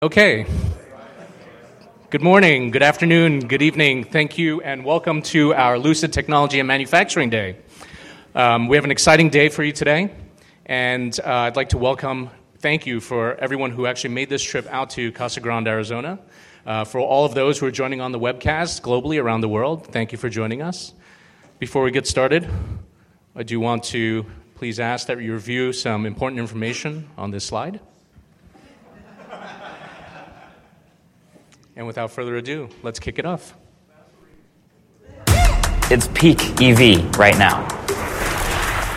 Okay. Good morning, good afternoon, good evening. Thank you, and welcome to our Lucid Technology and Manufacturing Day. We have an exciting day for you today, and I'd like to welcome, thank you for everyone who actually made this trip out to Casa Grande, Arizona. For all of those who are joining on the webcast globally around the world, thank you for joining us. Before we get started, I do want to please ask that you review some important information on this slide, and without further ado, let's kick it off. It's peak EV right now.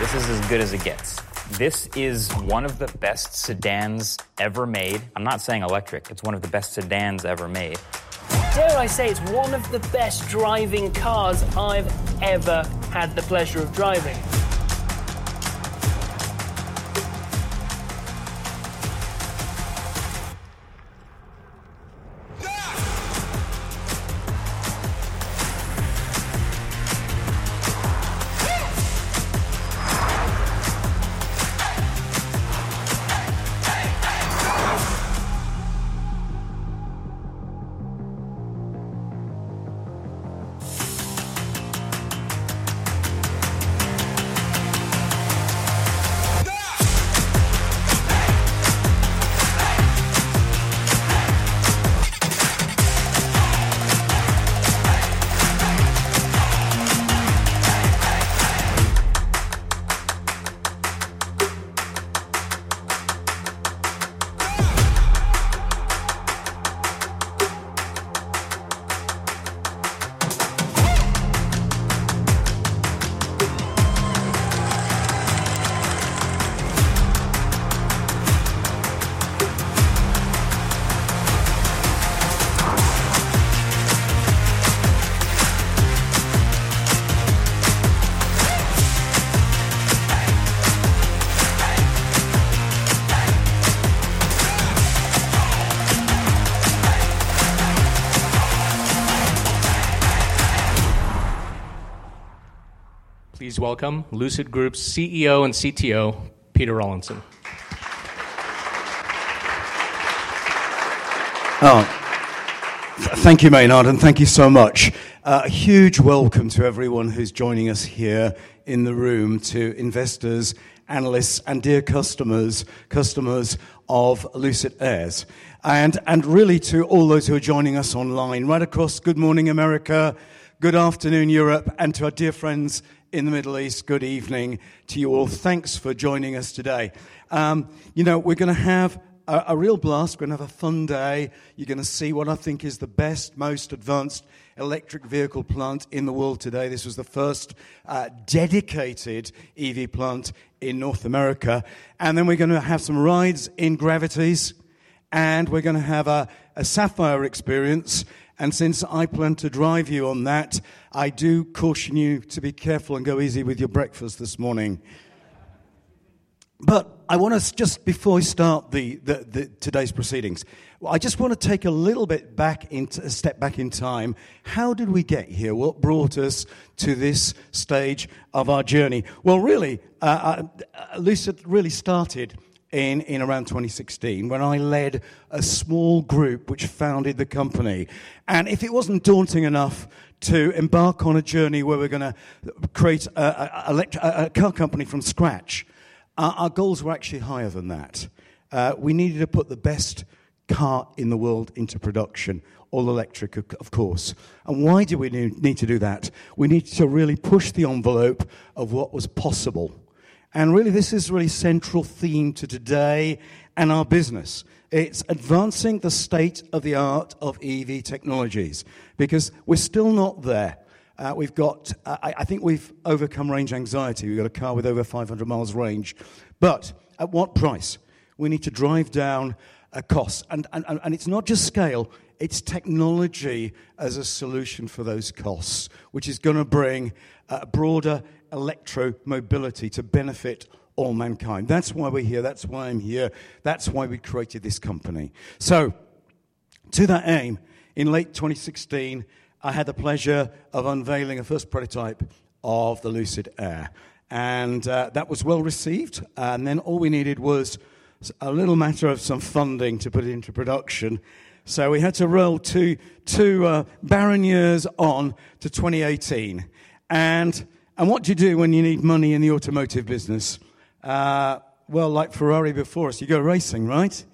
This is as good as it gets. This is one of the best sedans ever made. I'm not saying electric, it's one of the best sedans ever made. Dare I say it's one of the best driving cars I've ever had the pleasure of driving. Please welcome Lucid Group's CEO and CTO, Peter Rawlinson. Thank you, Maynard, and thank you so much. A huge welcome to everyone who's joining us here in the room, to investors, analysts, and dear customers, customers of Lucid Airs, and really to all those who are joining us online, right across. Good morning, America, good afternoon, Europe, and to our dear friends in the Middle East, good evening to you all. Thanks for joining us today. You know, we're going to have a real blast. We're going to have a fun day. You're going to see what I think is the best, most advanced electric vehicle plant in the world today. This was the first dedicated EV plant in North America, and then we're going to have some rides in Gravities, and we're going to have a Sapphire experience. And since I plan to drive you on that, I do caution you to be careful and go easy with your breakfast this morning. But I want to, just before we start today's proceedings, I just want to take a little bit back, a step back in time. How did we get here? What brought us to this stage of our journey? Well, really, Lucid really started in around 2016 when I led a small group which founded the company. And if it wasn't daunting enough to embark on a journey where we're going to create a car company from scratch, our goals were actually higher than that. We needed to put the best car in the world into production, all electric, of course. And why do we need to do that? We need to really push the envelope of what was possible. Really, this is a really central theme to today and our business. It's advancing the state of the art of EV technologies because we're still not there. We've got, I think we've overcome range anxiety. We've got a car with over 500 mi range. But at what price? We need to drive down a cost. It's not just scale, it's technology as a solution for those costs, which is going to bring a broader electromobility to benefit all mankind. That's why we're here, that's why I'm here, that's why we created this company. To that aim, in late 2016, I had the pleasure of unveiling a first prototype of the Lucid Air. That was well received. Then all we needed was a little matter of some funding to put it into production. We had to roll two barren years on to 2018. And what do you do when you need money in the automotive business? Well, like Ferrari before us, you go racing, right?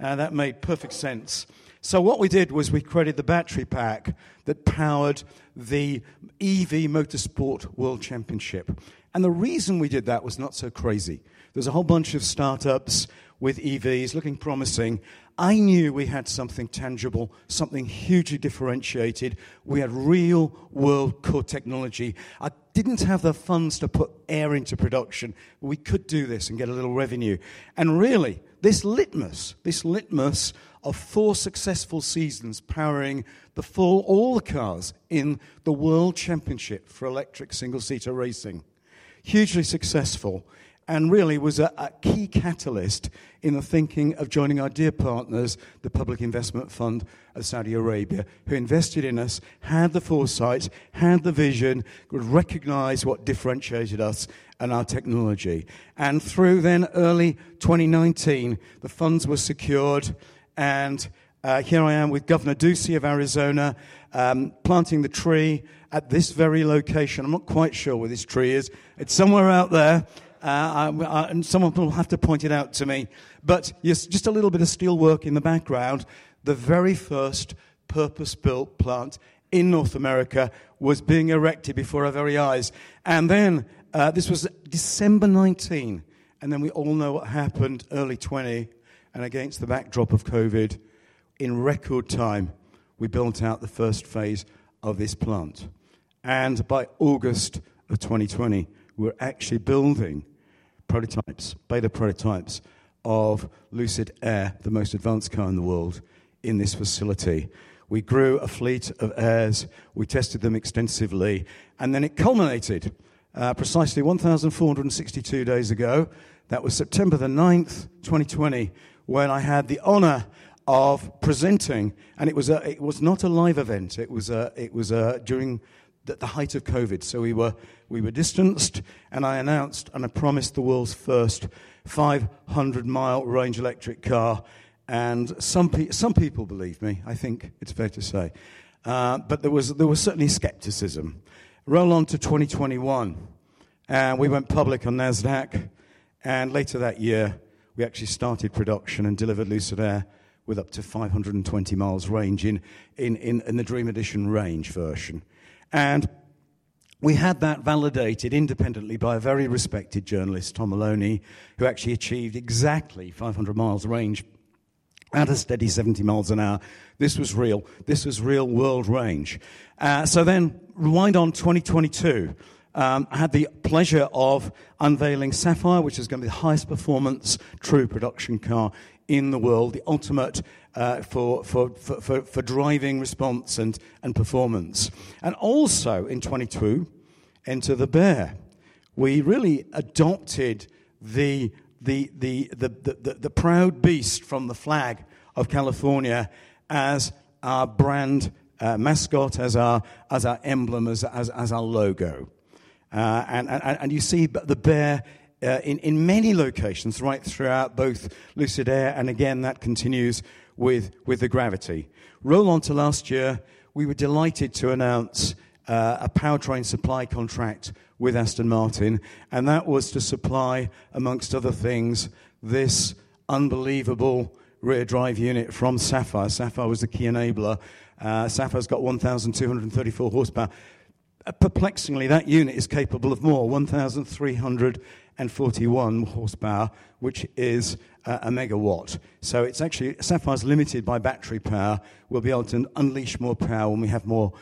That made perfect sense. So what we did was we created the battery pack that powered the EV Motorsport World Championship. And the reason we did that was not so crazy. There's a whole bunch of startups with EVs looking promising. I knew we had something tangible, something hugely differentiated. We had real-world core technology. I didn't have the funds to put Air into production, but we could do this and get a little revenue. Really, this litmus, this litmus of four successful seasons powering all the cars in the World Championship for electric single-seater racing, hugely successful and really was a key catalyst in the thinking of joining our dear partners, the Public Investment Fund of Saudi Arabia, who invested in us, had the foresight, had the vision, would recognize what differentiated us and our technology. Through the early 2019, the funds were secured, and here I am with Governor Ducey of Arizona planting the tree at this very location. I'm not quite sure where this tree is. It's somewhere out there, and someone will have to point it out to me. But just a little bit of steelwork in the background, the very first purpose-built plant in North America was being erected before our very eyes. And then this was December 2019, and then we all know what happened early 2020, and against the backdrop of COVID, in record time, we built out the first phase of this plant. And by August of 2020, we're actually building prototypes, beta prototypes of Lucid Air, the most advanced car in the world in this facility. We grew a fleet of Airs, we tested them extensively, and then it culminated precisely 1,462 days ago. That was September 9th, 2020, when I had the honor of presenting, and it was not a live event; it was during the height of COVID, so we were distanced, and I announced and I promised the world's first 500-mile range electric car. And some people believed me, I think it's fair to say. But there was certainly skepticism. Roll on to 2021, and we went public on Nasdaq, and later that year, we actually started production and delivered Lucid Air with up to 520 mi range in the Dream Edition Range version, and we had that validated independently by a very respected journalist, Tom Moloughney, who actually achieved exactly 500 mi range at a steady 70 mi an hour. This was real. This was real-world range, so then right on 2022, I had the pleasure of unveiling Sapphire, which is going to be the highest performance true production car in the world, the ultimate for driving response and performance, and also in 2022, Enter the Bear. We really adopted the proud beast from the flag of California as our brand mascot, as our emblem, as our logo. And you see the bear in many locations right throughout both Lucid Air, and again, that continues with the Gravity. Rolling on to last year, we were delighted to announce a powertrain supply contract with Aston Martin, and that was to supply, among other things, this unbelievable rear drive unit from Sapphire. Sapphire was the key enabler. Sapphire's got 1,234 horsepower. Perplexingly, that unit is capable of more, 1,341 horsepower, which is a megawatt. So it's actually, Sapphire's limited by battery power. We'll be able to unleash more power when we have more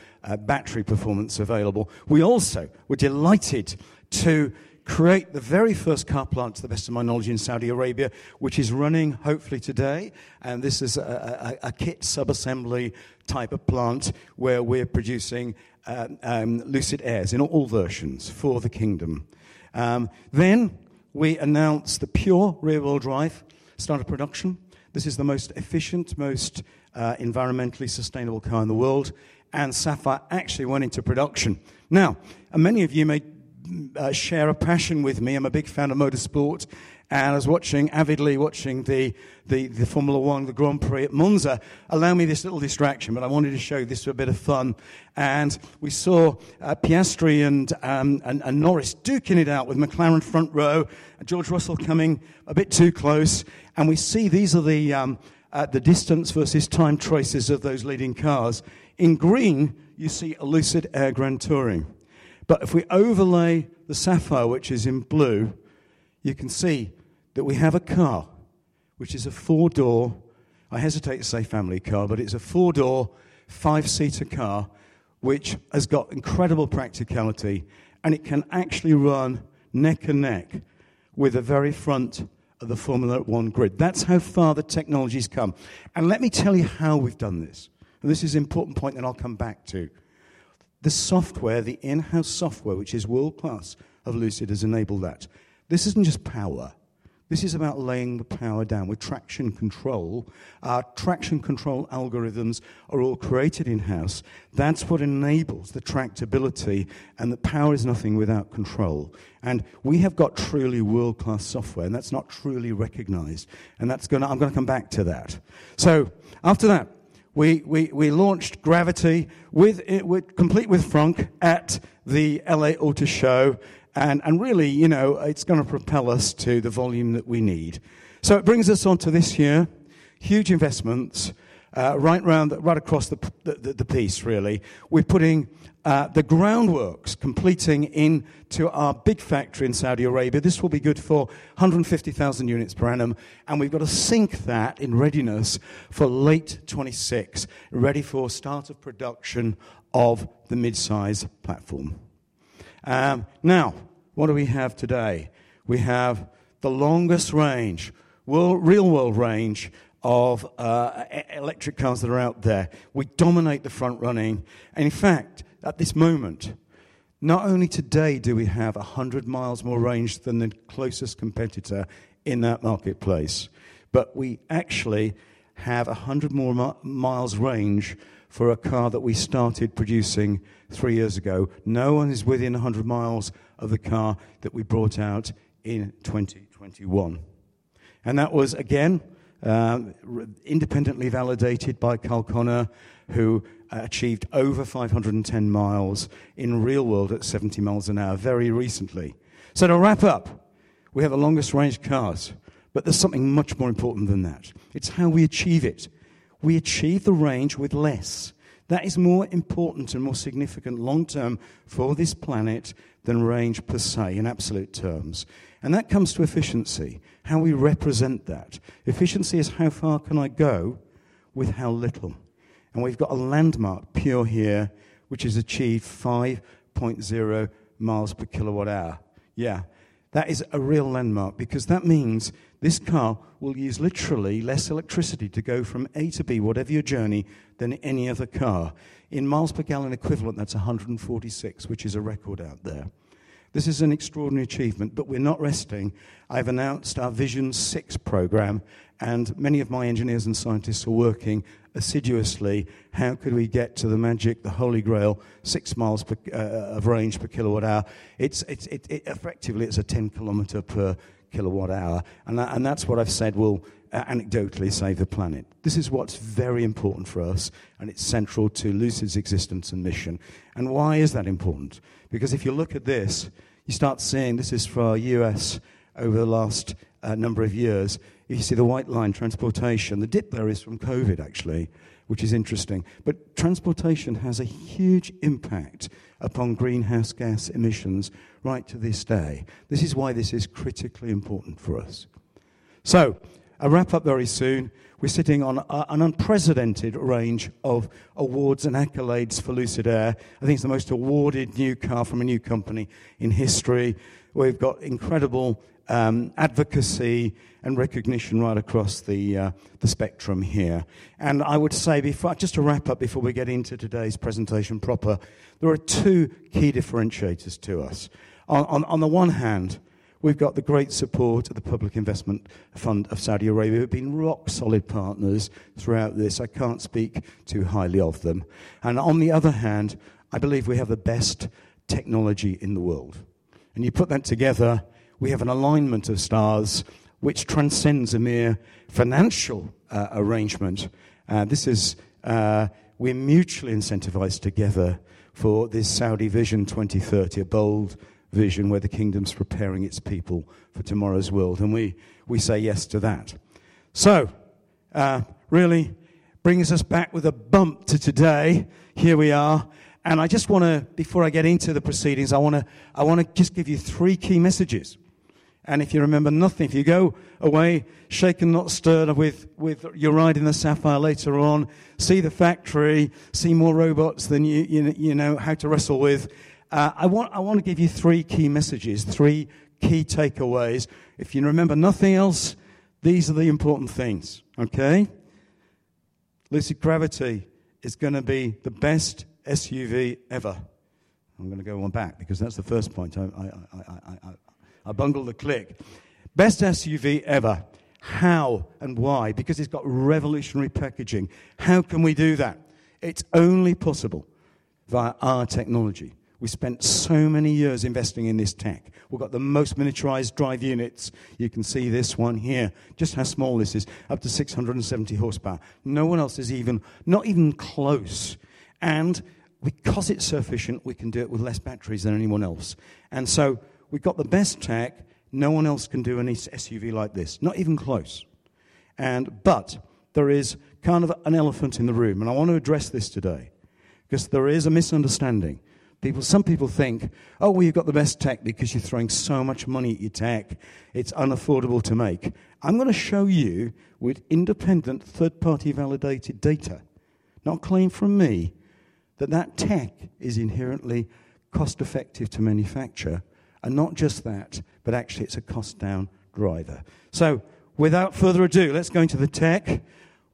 battery performance available. We also were delighted to create the very first car plant, to the best of my knowledge, in Saudi Arabia, which is running hopefully today. And this is a kit sub-assembly type of plant where we're producing Lucid Airs in all versions for the kingdom. Then we announced the Pure Rear-Wheel Drive start of production. This is the most efficient, most environmentally sustainable car in the world, and Sapphire actually went into production. Now, many of you may share a passion with me. I'm a big fan of motorsport, and I was watching, avidly watching the Formula 1, the Grand Prix at Monza. Allow me this little distraction, but I wanted to show you this for a bit of fun. And we saw Piastri and Norris duking it out with McLaren front row, George Russell coming a bit too close. And we see these are the distance versus time traces of those leading cars. In green, you see a Lucid Air Grand Touring. But if we overlay the Sapphire, which is in blue, you can see that we have a car, which is a four-door, I hesitate to say family car, but it's a four-door, five-seater car, which has got incredible practicality, and it can actually run neck and neck with the very front of the Formula 1 grid. That's how far the technologies come, and let me tell you how we've done this. This is an important point that I'll come back to. The software, the in-house software, which is world-class, of Lucid has enabled that. This isn't just power. This is about laying the power down with traction control. Traction control algorithms are all created in-house. That's what enables the tractability, and the power is nothing without control, and we have got truly world-class software, and that's not truly recognized, and I'm going to come back to that, so after that, we launched Gravity complete with frunk at the LA Auto Show, and really, you know, it's going to propel us to the volume that we need, so it brings us onto this year, huge investments right across the board, really. We're putting the groundworks completing into our big factory in Saudi Arabia. This will be good for 150,000 units per annum. We've got to sync that in readiness for late 2026, ready for start of production of the Midsize platform. Now, what do we have today? We have the longest range, real-world range of electric cars that are out there. We dominate the front running. In fact, at this moment, not only today do we have 100 mi more range than the closest competitor in that marketplace, but we actually have 100 more miles range for a car that we started producing three years ago. No one is within 100 mi of the car that we brought out in 2021. That was, again, independently validated by Kyle Conner, who achieved over 510 mi in real-world at 70 mi an hour very recently. So to wrap up, we have the longest range cars, but there's something much more important than that. It's how we achieve it. We achieve the range with less. That is more important and more significant long-term for this planet than range per se in absolute terms. And that comes to efficiency, how we represent that. Efficiency is how far can I go with how little. And we've got a landmark Pure here, which has achieved 5.0 mi per kWh. Yeah, that is a real landmark because that means this car will use literally less electricity to go from A to B, whatever your journey, than any other car. In miles per gallon equivalent, that's 146, which is a record out there. This is an extraordinary achievement, but we're not resting. I've announced our Vision Six program, and many of my engineers and scientists are working assiduously. How could we get to the magic, the holy grail, 6 mi of range per kWh? Effectively, it's 10 km per kWh. And that's what I've said will anecdotally save the planet. This is what's very important for us, and it's central to Lucid's existence and mission. And why is that important? Because if you look at this, you start seeing this is for our U.S. over the last number of years. You see the white line, transportation. The dip there is from COVID, actually, which is interesting. But transportation has a huge impact upon greenhouse gas emissions right to this day. This is why this is critically important for us. So I'll wrap up very soon. We're sitting on an unprecedented range of awards and accolades for Lucid Air. I think it's the most awarded new car from a new company in history. We've got incredible advocacy and recognition right across the spectrum here. I would say, just to wrap up before we get into today's presentation proper, there are two key differentiators to us. On the one hand, we've got the great support of the Public Investment Fund of Saudi Arabia. We've been rock solid partners throughout this. I can't speak too highly of them. On the other hand, I believe we have the best technology in the world. And you put that together, we have an alignment of stars which transcends a mere financial arrangement. We're mutually incentivized together for this Saudi Vision 2030, a bold vision where the kingdom's preparing its people for tomorrow's world. We say yes to that. It really brings us back with a bump to today. Here we are. And I just want to, before I get into the proceedings, I want to just give you three key messages. And if you remember nothing, if you go away, shaken and not stirred with your ride in the Sapphire later on, see the factory, see more robots than you know how to wrestle with. I want to give you three key messages, three key takeaways. If you remember nothing else, these are the important things, okay? Lucid Gravity is going to be the best SUV ever. I'm going to go one back because that's the first point. I bungled the click. Best SUV ever. How and why? Because it's got revolutionary packaging. How can we do that? It's only possible via our technology. We spent so many years investing in this tech. We've got the most miniaturized drive units. You can see this one here. Just how small this is, up to 670 horsepower. No one else is even, not even close. And because it's sufficient, we can do it with less batteries than anyone else. And so we've got the best tech. No one else can do an SUV like this, not even close. But there is kind of an elephant in the room, and I want to address this today because there is a misunderstanding. Some people think, "Oh, well, you've got the best tech because you're throwing so much money at your tech. It's unaffordable to make." I'm going to show you with independent third-party validated data, not claimed from me, that that tech is inherently cost-effective to manufacture. And not just that, but actually it's a cost-down driver. So without further ado, let's go into the tech.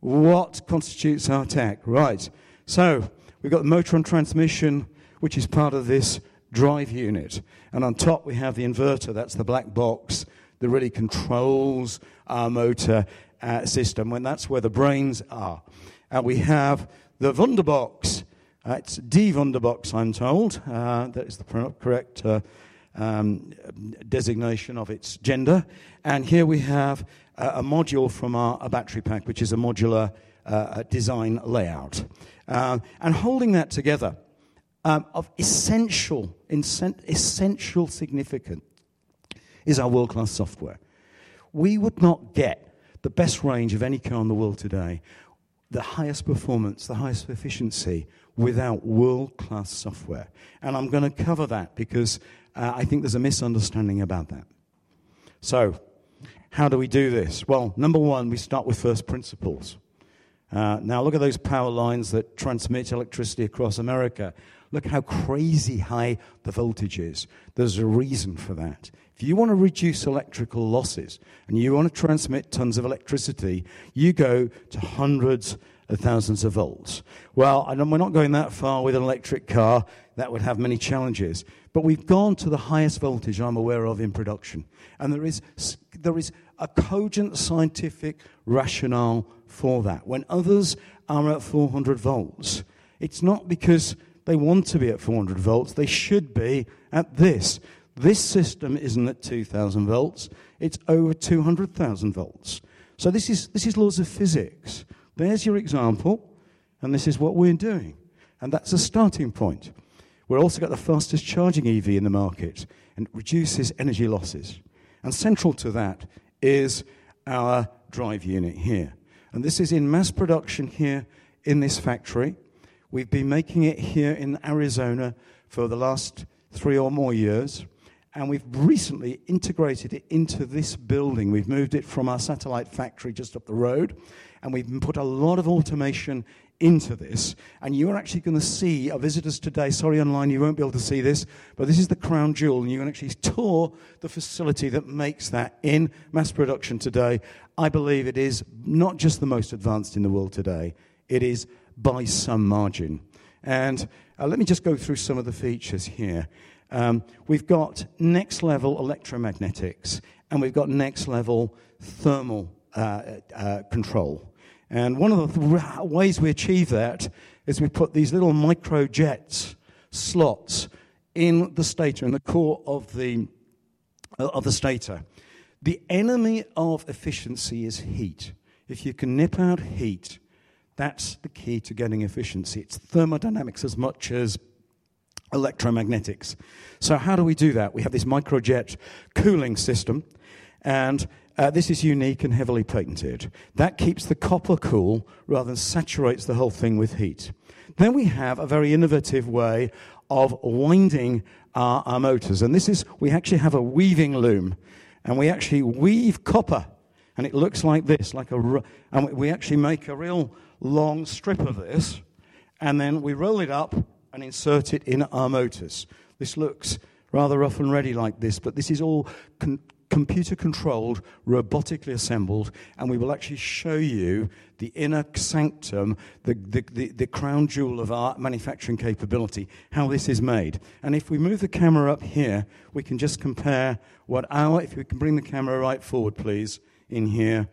What constitutes our tech? Right. We've got the motor and transmission, which is part of this drive unit. And on top, we have the inverter. That's the black box that really controls our motor system, and that's where the brains are. And we have the Wunderbox. It's the Wunderbox, I'm told. That is the correct designation of its gender. And here we have a module from our battery pack, which is a modular design layout. And holding that together, of essential significance, is our world-class software. We would not get the best range of any car in the world today, the highest performance, the highest efficiency without world-class software. And I'm going to cover that because I think there's a misunderstanding about that. How do we do this? Well, number one, we start with first principles. Now, look at those power lines that transmit electricity across America. Look how crazy high the voltage is. There's a reason for that. If you want to reduce electrical losses and you want to transmit tons of electricity, you go to hundreds of thousands of volts. Well, we're not going that far with an electric car. That would have many challenges. But we've gone to the highest voltage I'm aware of in production. And there is a cogent scientific rationale for that. When others are at 400 volts, it's not because they want to be at 400 volts. They should be at this. This system isn't at 2,000 volts. It's over 200,000 volts. So this is laws of physics. There's your example, and this is what we're doing. And that's a starting point. We've also got the fastest charging EV in the market and reduces energy losses. And central to that is our drive unit here. And this is in mass production here in this factory. We've been making it here in Arizona for the last three or more years, and we've recently integrated it into this building. We've moved it from our satellite factory just up the road, and we've put a lot of automation into this, and you are actually going to see our visitors today. Sorry, online, you won't be able to see this, but this is the crown jewel, and you can actually tour the facility that makes that in mass production today. I believe it is not just the most advanced in the world today. It is by some margin, and let me just go through some of the features here. We've got next-level electromagnetics, and we've got next-level thermal control, and one of the ways we achieve that is we put these little microjet slots in the stator, in the core of the stator. The enemy of efficiency is heat. If you can nip out heat, that's the key to getting efficiency. It's thermodynamics as much as electromagnetics. So how do we do that? We have this Microjet cooling system, and this is unique and heavily patented. That keeps the copper cool rather than saturates the whole thing with heat. Then we have a very innovative way of winding our motors. And this is, we actually have a weaving loom, and we actually weave copper, and it looks like this, like a, and we actually make a real long strip of this, and then we roll it up and insert it in our motors. This looks rather rough and ready like this, but this is all computer-controlled, robotically assembled, and we will actually show you the inner sanctum, the crown jewel of our manufacturing capability, how this is made. And if we move the camera up here, we can just compare what our, if we can bring the camera right forward, please. In here,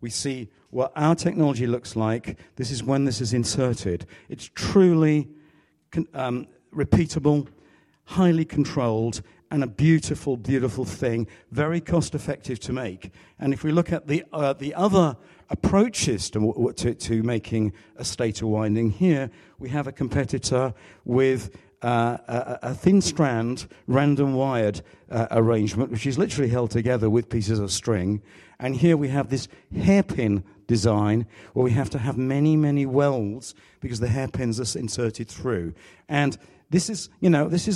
we see what our technology looks like. This is when this is inserted. It's truly repeatable, highly controlled, and a beautiful, beautiful thing, very cost-effective to make. And if we look at the other approaches to making a stator winding here, we have a competitor with a thin strand random wired arrangement, which is literally held together with pieces of string. And here we have this hairpin design where we have to have many, many welds because the hairpins are inserted through. And this is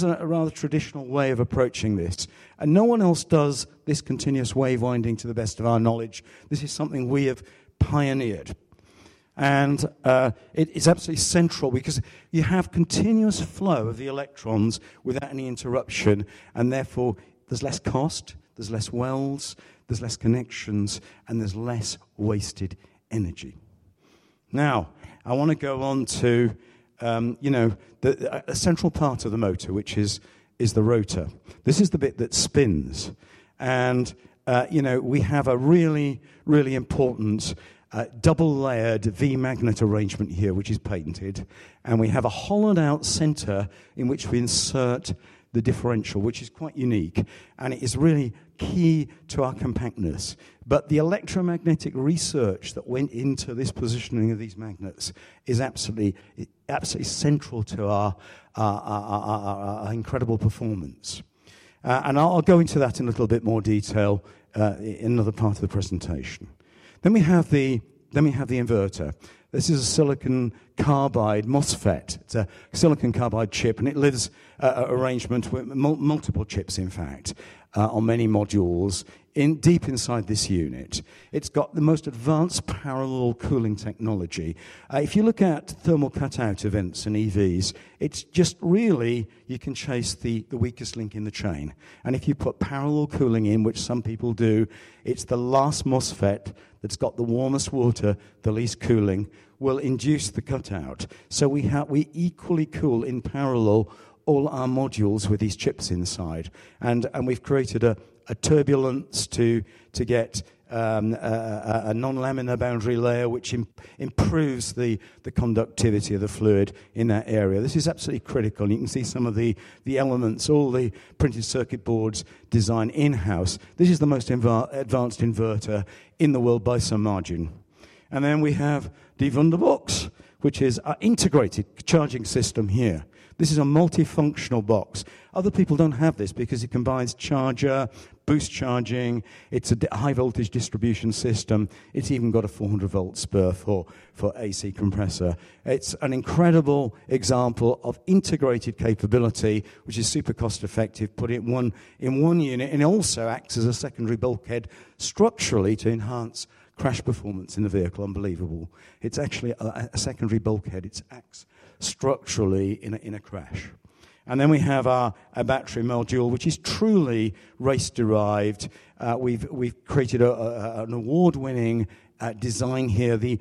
a rather traditional way of approaching this. And no one else does this continuous wave winding to the best of our knowledge. This is something we have pioneered. It's absolutely central because you have continuous flow of the electrons without any interruption, and therefore there's less cost, there's less welds, there's less connections, and there's less wasted energy. Now, I want to go on to a central part of the motor, which is the rotor. This is the bit that spins, and we have a really, really important double-layered V-magnet arrangement here, which is patented, and we have a hollowed-out center in which we insert the differential, which is quite unique, and it is really key to our compactness, but the electromagnetic research that went into this positioning of these magnets is absolutely central to our incredible performance, and I'll go into that in a little bit more detail in another part of the presentation, then we have the inverter. This is a silicon carbide MOSFET. It's a silicon carbide chip, and it lives in an arrangement with multiple chips, in fact, on many modules deep inside this unit. It's got the most advanced parallel cooling technology. If you look at thermal cutout events in EVs, it's just really, you can chase the weakest link in the chain. And if you put parallel cooling in, which some people do, it's the last MOSFET that's got the warmest water, the least cooling, will induce the cutout. So we equally cool in parallel all our modules with these chips inside. And we've created a turbulence to get a non-laminar boundary layer, which improves the conductivity of the fluid in that area. This is absolutely critical. You can see some of the elements, all the printed circuit boards designed in-house. This is the most advanced inverter in the world by some margin. And then we have the Wunderbox, which is our integrated charging system here. This is a multifunctional box. Other people don't have this because it combines charger, boost charging. It's a high-voltage distribution system. It's even got a 400-volt spur for AC compressor. It's an incredible example of integrated capability, which is super cost-effective, putting it in one unit, and it also acts as a secondary bulkhead structurally to enhance crash performance in the vehicle. Unbelievable. It's actually a secondary bulkhead. It acts structurally in a crash. And then we have our battery module, which is truly race-derived. We've created an award-winning design here. The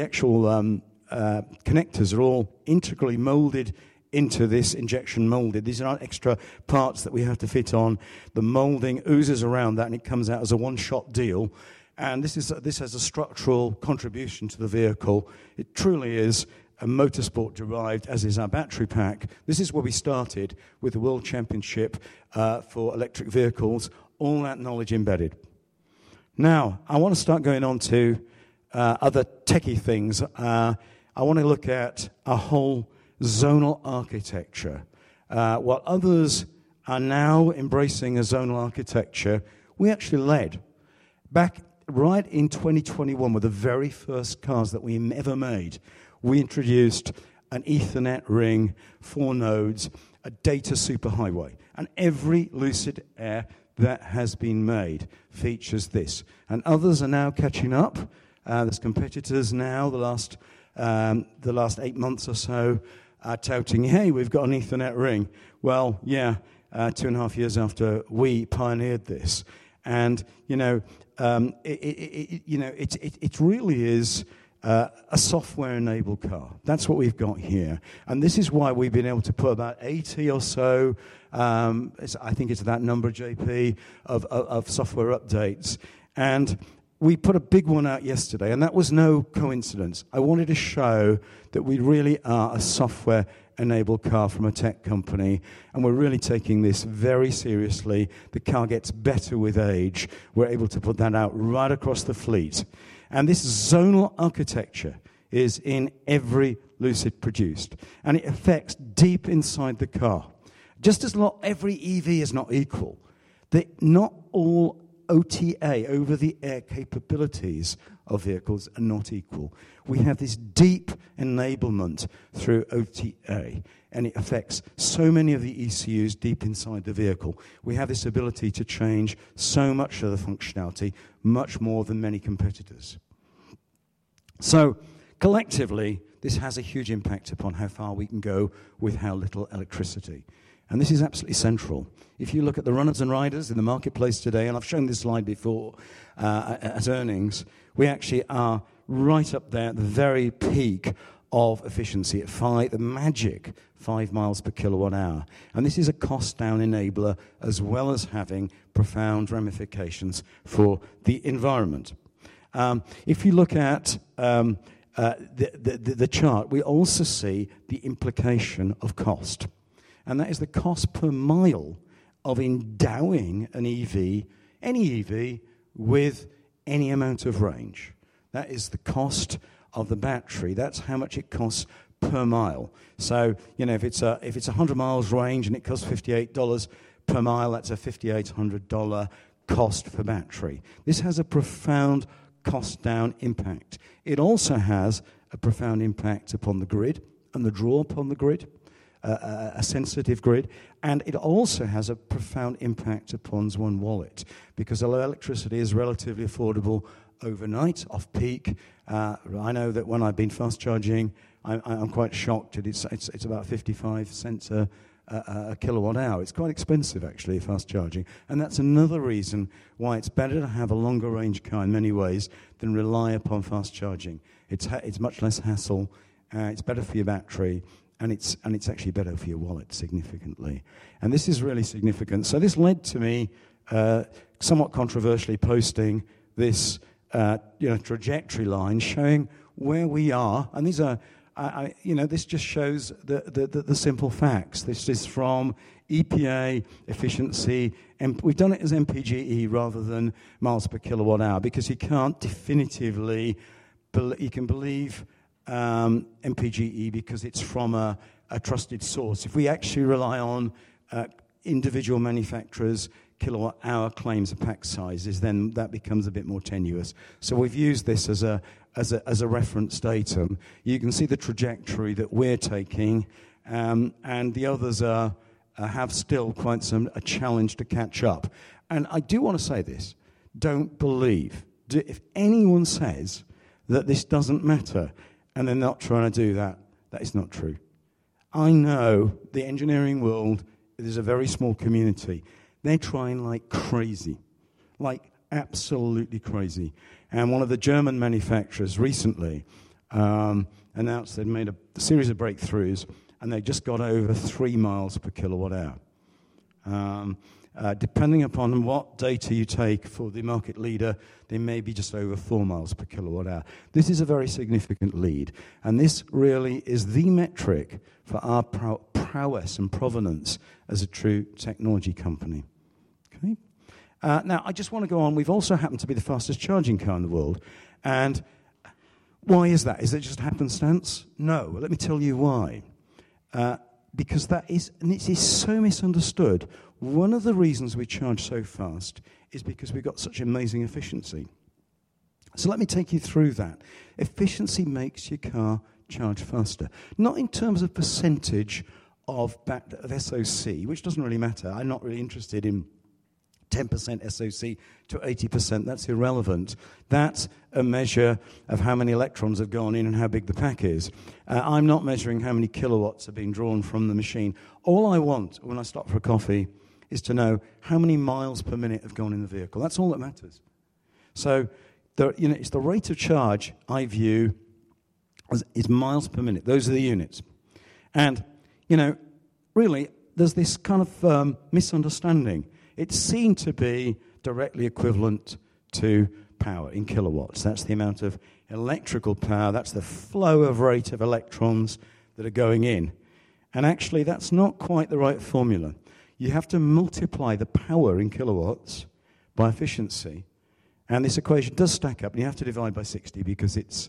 actual connectors are all integrally molded into this injection molded. These are not extra parts that we have to fit on. The molding oozes around that, and it comes out as a one-shot deal. And this has a structural contribution to the vehicle. It truly is motorsport-derived, as is our battery pack. This is where we started with the World Championship for Electric Vehicles, all that knowledge embedded. Now, I want to start going on to other techie things. I want to look at our whole zonal architecture. While others are now embracing a zonal architecture, we actually led back right in 2021 with the very first cars that we ever made. We introduced an Ethernet ring for nodes, a data superhighway. And every Lucid Air that has been made features this. And others are now catching up. There's competitors now, the last eight months or so, touting, "Hey, we've got an Ethernet ring." Well, yeah, two and a half years after we pioneered this. And it really is a software-enabled car. That's what we've got here. This is why we've been able to put about 80 or so. I think it's about 80, JP, of software updates. We put a big one out yesterday, and that was no coincidence. I wanted to show that we really are a software-enabled car from a tech company, and we're really taking this very seriously. The car gets better with age. We're able to put that out right across the fleet. This zonal architecture is in every Lucid produced, and it affects deep inside the car. Just as every EV is not equal, not all OTA, over-the-air capabilities of vehicles are not equal. We have this deep enablement through OTA, and it affects so many of the ECUs deep inside the vehicle. We have this ability to change so much of the functionality, much more than many competitors. So collectively, this has a huge impact upon how far we can go with how little electricity. And this is absolutely central. If you look at the runners and riders in the marketplace today, and I've shown this slide before at earnings, we actually are right up there at the very peak of efficiency at the magic 5 mi per kWh. And this is a cost-down enabler as well as having profound ramifications for the environment. If you look at the chart, we also see the implication of cost. And that is the cost per mile of endowing an EV, any EV, with any amount of range. That is the cost of the battery. That's how much it costs per mile. So if it's 100 mil range and it costs $58 per mile, that's a $5,800 cost for battery. This has a profound cost-down impact. It also has a profound impact upon the grid and the draw upon the grid, a sensitive grid. And it also has a profound impact upon one's wallet because electricity is relatively affordable overnight off peak. I know that when I've been fast charging, I'm quite shocked that it's about $0.55 per kWh. It's quite expensive, actually, fast charging. And that's another reason why it's better to have a longer range car in many ways than rely upon fast charging. It's much less hassle. It's better for your battery, and it's actually better for your wallet significantly. And this is really significant. So this led to me somewhat controversially posting this trajectory line showing where we are. And this just shows the simple facts. This is from EPA efficiency. We've done it as MPGe rather than miles per kilowatt-hour because you can definitively believe MPGe because it's from a trusted source. If we actually rely on individual manufacturers' kilowatt-hour claims and pack sizes, then that becomes a bit more tenuous. So we've used this as a reference datum. You can see the trajectory that we're taking, and the others have still quite a challenge to catch up, and I do want to say this: don't believe if anyone says that this doesn't matter and they're not trying to do that, that is not true. I know the engineering world, there's a very small community. They're trying like crazy, like absolutely crazy, and one of the German manufacturers recently announced they've made a series of breakthroughs, and they just got over 3 mi per kWh. Depending upon what data you take for the market leader, they may be just over 4 mi per kWh. This is a very significant lead, and this really is the metric for our prowess and provenance as a true technology company. Okay? Now, I just want to go on. We've also happened to be the fastest charging car in the world, and why is that? Is it just happenstance? No. Let me tell you why. Because that is, and it is so misunderstood. One of the reasons we charge so fast is because we've got such amazing efficiency. So let me take you through that. Efficiency makes your car charge faster, not in terms of percentage of SOC, which doesn't really matter. I'm not really interested in 10% SOC to 80%. That's irrelevant. That's a measure of how many electrons have gone in and how big the pack is. I'm not measuring how many kilowatts are being drawn from the machine. All I want when I stop for a coffee is to know how many miles per minute have gone in the vehicle. That's all that matters. So it's the rate of charge I view as miles per minute. Those are the units. And really, there's this kind of misunderstanding. It seemed to be directly equivalent to power in kilowatts. That's the amount of electrical power. That's the flow rate of electrons that are going in. And actually, that's not quite the right formula. You have to multiply the power in kilowatts by efficiency. And this equation does stack up, and you have to divide by 60 because it's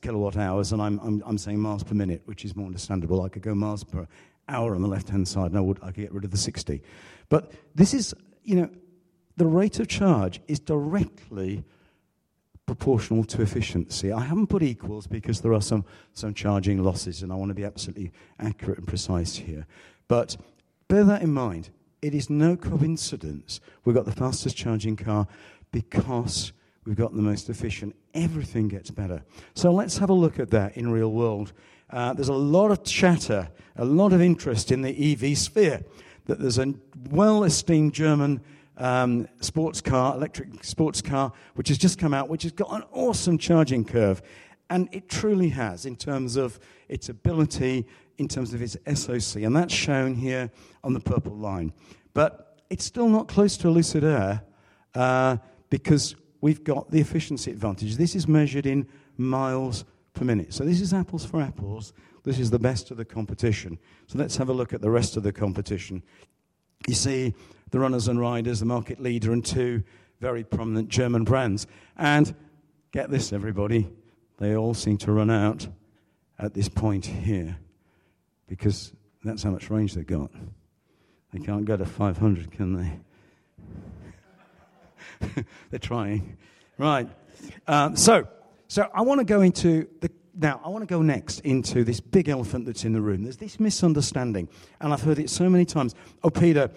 kilowatt-hours, and I'm saying miles per minute, which is more understandable. I could go miles per hour on the left-hand side, and I could get rid of the 60. But the rate of charge is directly proportional to efficiency. I haven't put equals because there are some charging losses, and I want to be absolutely accurate and precise here. But bear that in mind. It is no coincidence we've got the fastest charging car because we've got the most efficient. Everything gets better. So let's have a look at that in real-world. There's a lot of chatter, a lot of interest in the EV sphere that there's a well-esteemed German electric sports car which has just come out, which has got an awesome charging curve. And it truly has in terms of its ability, in terms of its SOC. And that's shown here on the purple line. But it's still not close to a Lucid Air because we've got the efficiency advantage. This is measured in miles per minute. So this is apples for apples. This is the best of the competition. So let's have a look at the rest of the competition. You see the runners and riders, the market leader and two very prominent German brands. And get this, everybody. They all seem to run out at this point here because that's how much range they've got. They can't go to 500, can they? They're trying. Right. So I want to go next into this big elephant that's in the room. There's this misunderstanding, and I've heard it so many times. "Oh, Peter,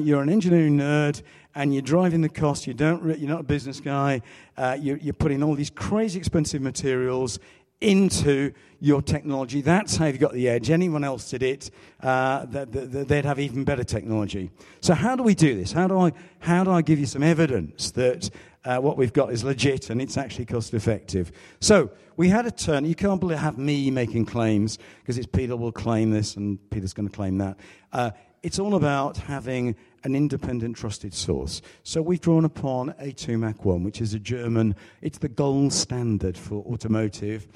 you're an engineering nerd, and you're driving the cost. You're not a business guy. You're putting all these crazy expensive materials into your technology. That's how you've got the edge. Anyone else did it, they'd have even better technology." So how do we do this? How do I give you some evidence that what we've got is legit and it's actually cost-effective? So we had a turn. You can't really have me making claims because it's Peter will claim this and Peter's going to claim that. It's all about having an independent, trusted source. So we've drawn upon A2Mac1, which is a German. It's the gold standard for automotive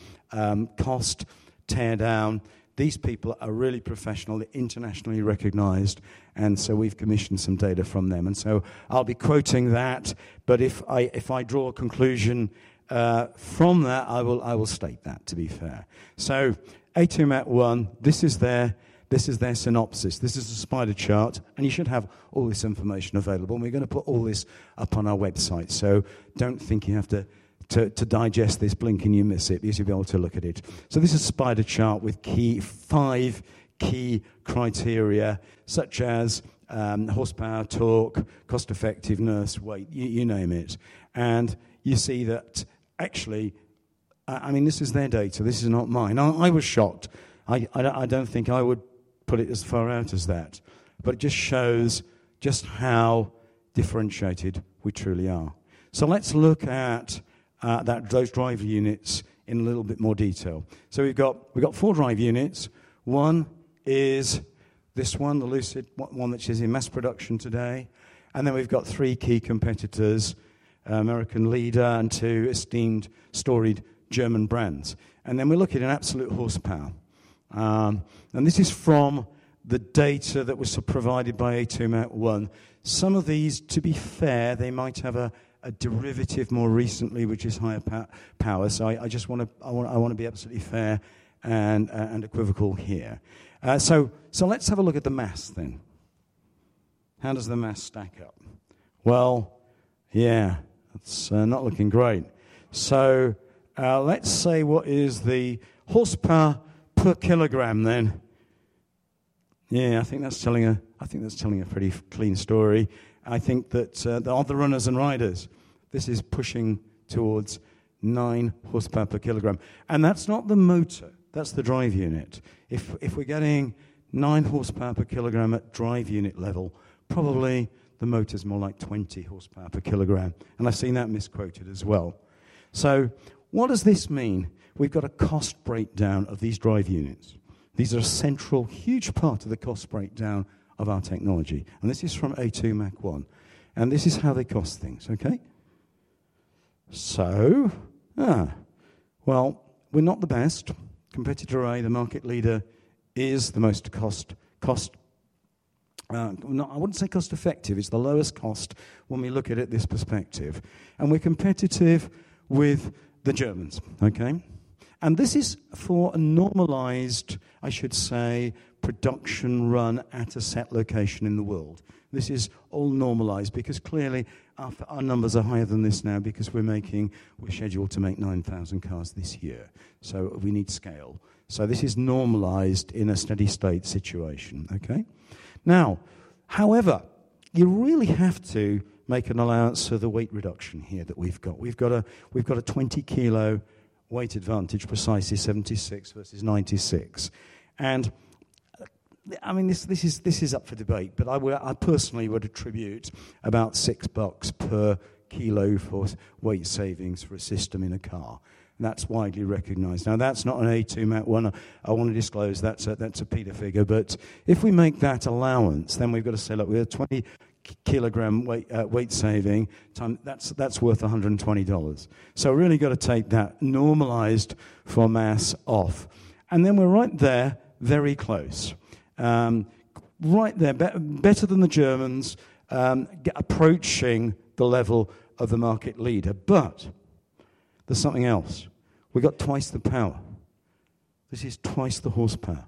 cost tear down. These people are really professional, internationally recognized, and so we've commissioned some data from them. And so I'll be quoting that, but if I draw a conclusion from that, I will state that, to be fair. So A2Mac1, this is their synopsis. This is a spider chart, and you should have all this information available. We're going to put all this up on our website. So don't think you have to digest this blink and you miss it. You should be able to look at it. So this is a spider chart with five key criteria such as horsepower, torque, cost-effectiveness, weight, you name it. And you see that actually, I mean, this is their data. This is not mine. I was shocked. I don't think I would put it as far out as that, but it just shows just how differentiated we truly are. So let's look at those drive units in a little bit more detail. So we've got four drive units. One is this one, the Lucid one which is in mass production today. And then we've got three key competitors, American leader and two esteemed storied German brands. And then we look at an absolute horsepower. And this is from the data that was provided by A2Mac1. Some of these, to be fair, they might have a derivative more recently, which is higher power. I just want to be absolutely fair and unequivocal here. Let's have a look at the mass then. How does the mass stack up? Yeah, it's not looking great. Let's say what is the horsepower per kilogram then? Yeah, I think that's telling a pretty clean story. I think that of the runners and riders, this is pushing towards nine horsepower per kilogram. And that's not the motor. That's the drive unit. If we're getting nine horsepower per kilogram at drive unit level, probably the motor's more like 20 horsepower per kilogram. And I've seen that misquoted as well. What does this mean? We've got a cost breakdown of these drive units. These are a central, huge part of the cost breakdown of our technology. And this is from A2Mac1. And this is how they cost things, okay? We're not the best. Competitor A, the market leader, is the most cost. I wouldn't say cost-effective. It's the lowest cost when we look at it this perspective. And we're competitive with the Germans, okay? And this is for a normalized, I should say, production run at a set location in the world. This is all normalized because clearly our numbers are higher than this now because we're scheduled to make 9,000 cars this year. So we need scale. So this is normalized in a steady-state situation, okay? Now, however, you really have to make an allowance for the weight reduction here that we've got. We've got a 20-kilo weight advantage, precisely 76 versus 96. And I mean, this is up for debate, but I personally would attribute about $6 per kilo for weight savings for a system in a car. That's widely recognized. Now, that's not an A2Mac1. I want to disclose, that's a Peter figure. But if we make that allowance, then we've got to say, "Look, we have a 20-kilogram weight saving. That's worth $120." So we're really going to take that normalized for mass off. And then we're right there, very close. Right there, better than the Germans, approaching the level of the market leader. But there's something else. We've got twice the power. This is twice the horsepower.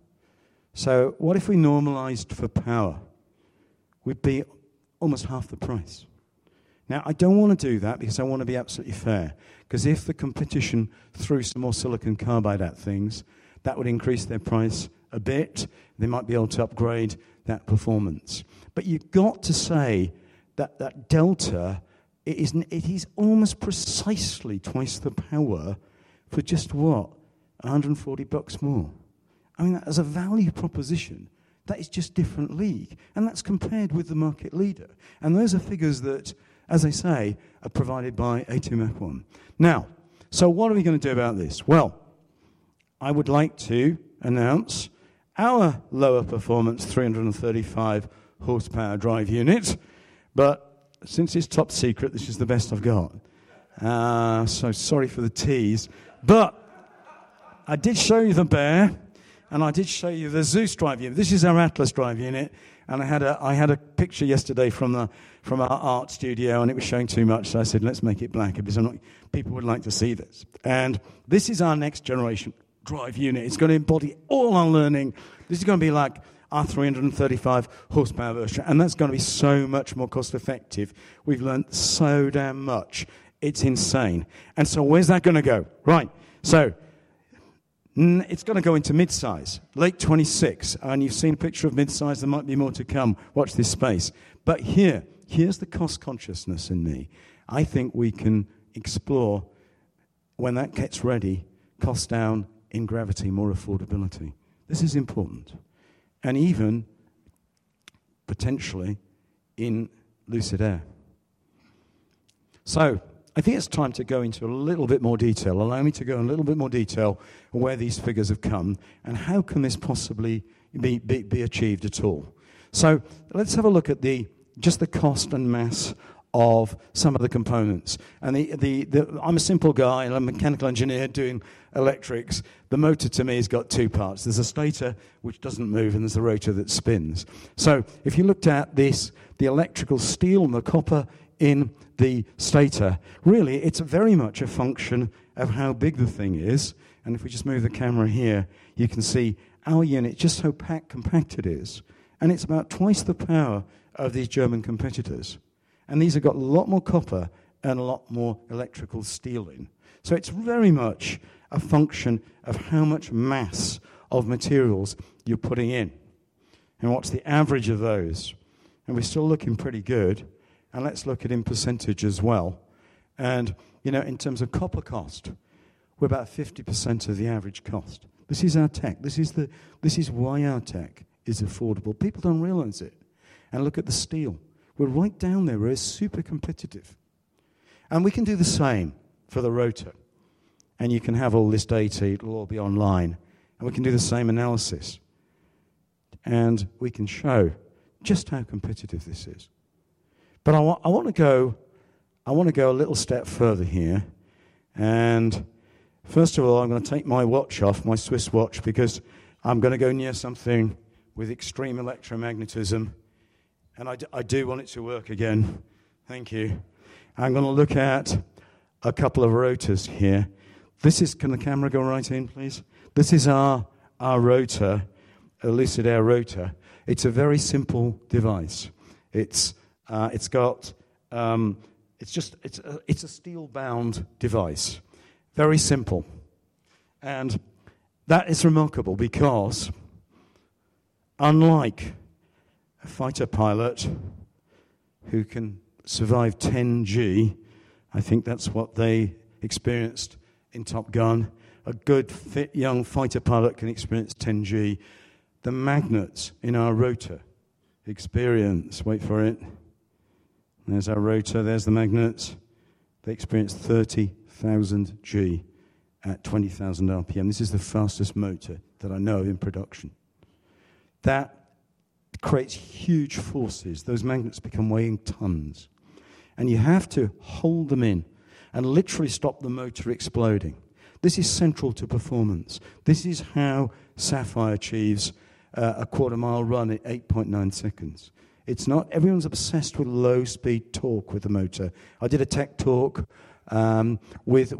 So what if we normalized for power? We'd be almost half the price. Now, I don't want to do that because I want to be absolutely fair because if the competition threw some more silicon carbide at things, that would increase their price a bit. They might be able to upgrade that performance. But you've got to say that delta, it is almost precisely twice the power for just what? $140 more. I mean, as a value proposition, that is just a different league, and that's compared with the market leader. And those are figures that, as I say, are provided by A2Mac1. Now, so what are we going to do about this? Well, I would like to announce our lower-performance 335-horsepower drive unit, but since it's top secret, this is the best I've got. So sorry for the tease. But I did show you the bear, and I did show you the Zeus Drive Unit. This is our Atlas Drive Unit. And I had a picture yesterday from our art studio, and it was showing too much. So I said, "Let's make it black because people would like to see this." And this is our next-generation drive unit. It's going to embody all our learning. This is going to be like our 335-horsepower version. That's going to be so much more cost-effective. We've learned so damn much. It's insane. Where's that going to go? Right. It's going to go into Midsize, late 2026. You've seen a picture of Midsize. There might be more to come. Watch this space. Here, here's the cost consciousness in me. I think we can explore when that gets ready, cost down in Gravity, more affordability. This is important. Even potentially in Lucid Air. I think it's time to go into a little bit more detail. Allow me to go a little bit more detail on where these figures have come and how can this possibly be achieved at all. Let's have a look at just the cost and mass of some of the components. I'm a simple guy, a mechanical engineer doing electrics. The motor to me has got two parts. There's a stator which doesn't move, and there's a rotor that spins. So if you looked at this, the electrical steel and the copper in the stator, really, it's very much a function of how big the thing is. And if we just move the camera here, you can see our unit, just how packed it is. And it's about twice the power of these German competitors. And these have got a lot more copper and a lot more electrical steel in. So it's very much a function of how much mass of materials you're putting in. And what's the average of those? And we're still looking pretty good. And let's look at it in percentage as well. And in terms of copper cost, we're about 50% of the average cost. This is our tech. This is why our tech is affordable. People don't realize it, and look at the steel. We're right down there. We're super competitive, and we can do the same for the rotor, and you can have all this data. It'll all be online, and we can do the same analysis, and we can show just how competitive this is. But I want to go a little step further here, and first of all, I'm going to take my watch off, my Swiss watch, because I'm going to go near something with extreme electromagnetism, and I do want it to work again. Thank you. I'm going to look at a couple of rotors here. Can the camera go right in, please? This is our rotor, a Lucid Air rotor. It's a very simple device. It's a steel-bound device. Very simple. And that is remarkable because unlike a fighter pilot who can survive 10G, I think that's what they experienced in Top Gun, a good fit young fighter pilot can experience 10G. The magnets in our rotor experience, wait for it. There's our rotor. There's the magnets. They experience 30,000 G at 20,000 RPM. This is the fastest motor that I know in production. That creates huge forces. Those magnets become weighing tons. And you have to hold them in and literally stop the motor exploding. This is central to performance. This is how Sapphire achieves a quarter-mile run at 8.9 seconds. Everyone's obsessed with low-speed torque with the motor. I did a tech talk with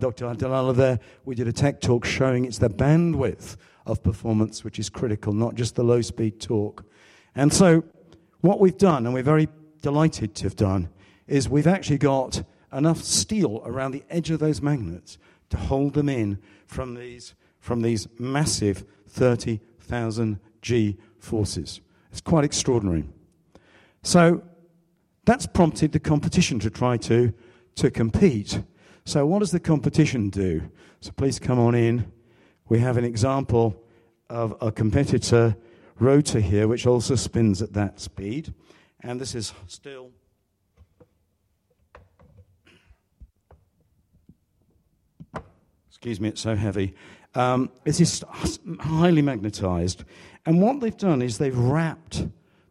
Dr. Abdullah there. We did a tech talk showing it's the bandwidth of performance which is critical, not just the low-speed torque. And so what we've done, and we're very delighted to have done, is we've actually got enough steel around the edge of those magnets to hold them in from these massive 30,000 G-forces. It's quite extraordinary. So that's prompted the competition to try to compete. So what does the competition do? So please come on in. We have an example of a competitor rotor here which also spins at that speed. And this is still. Excuse me, it's so heavy. This is highly magnetized. And what they've done is they've wrapped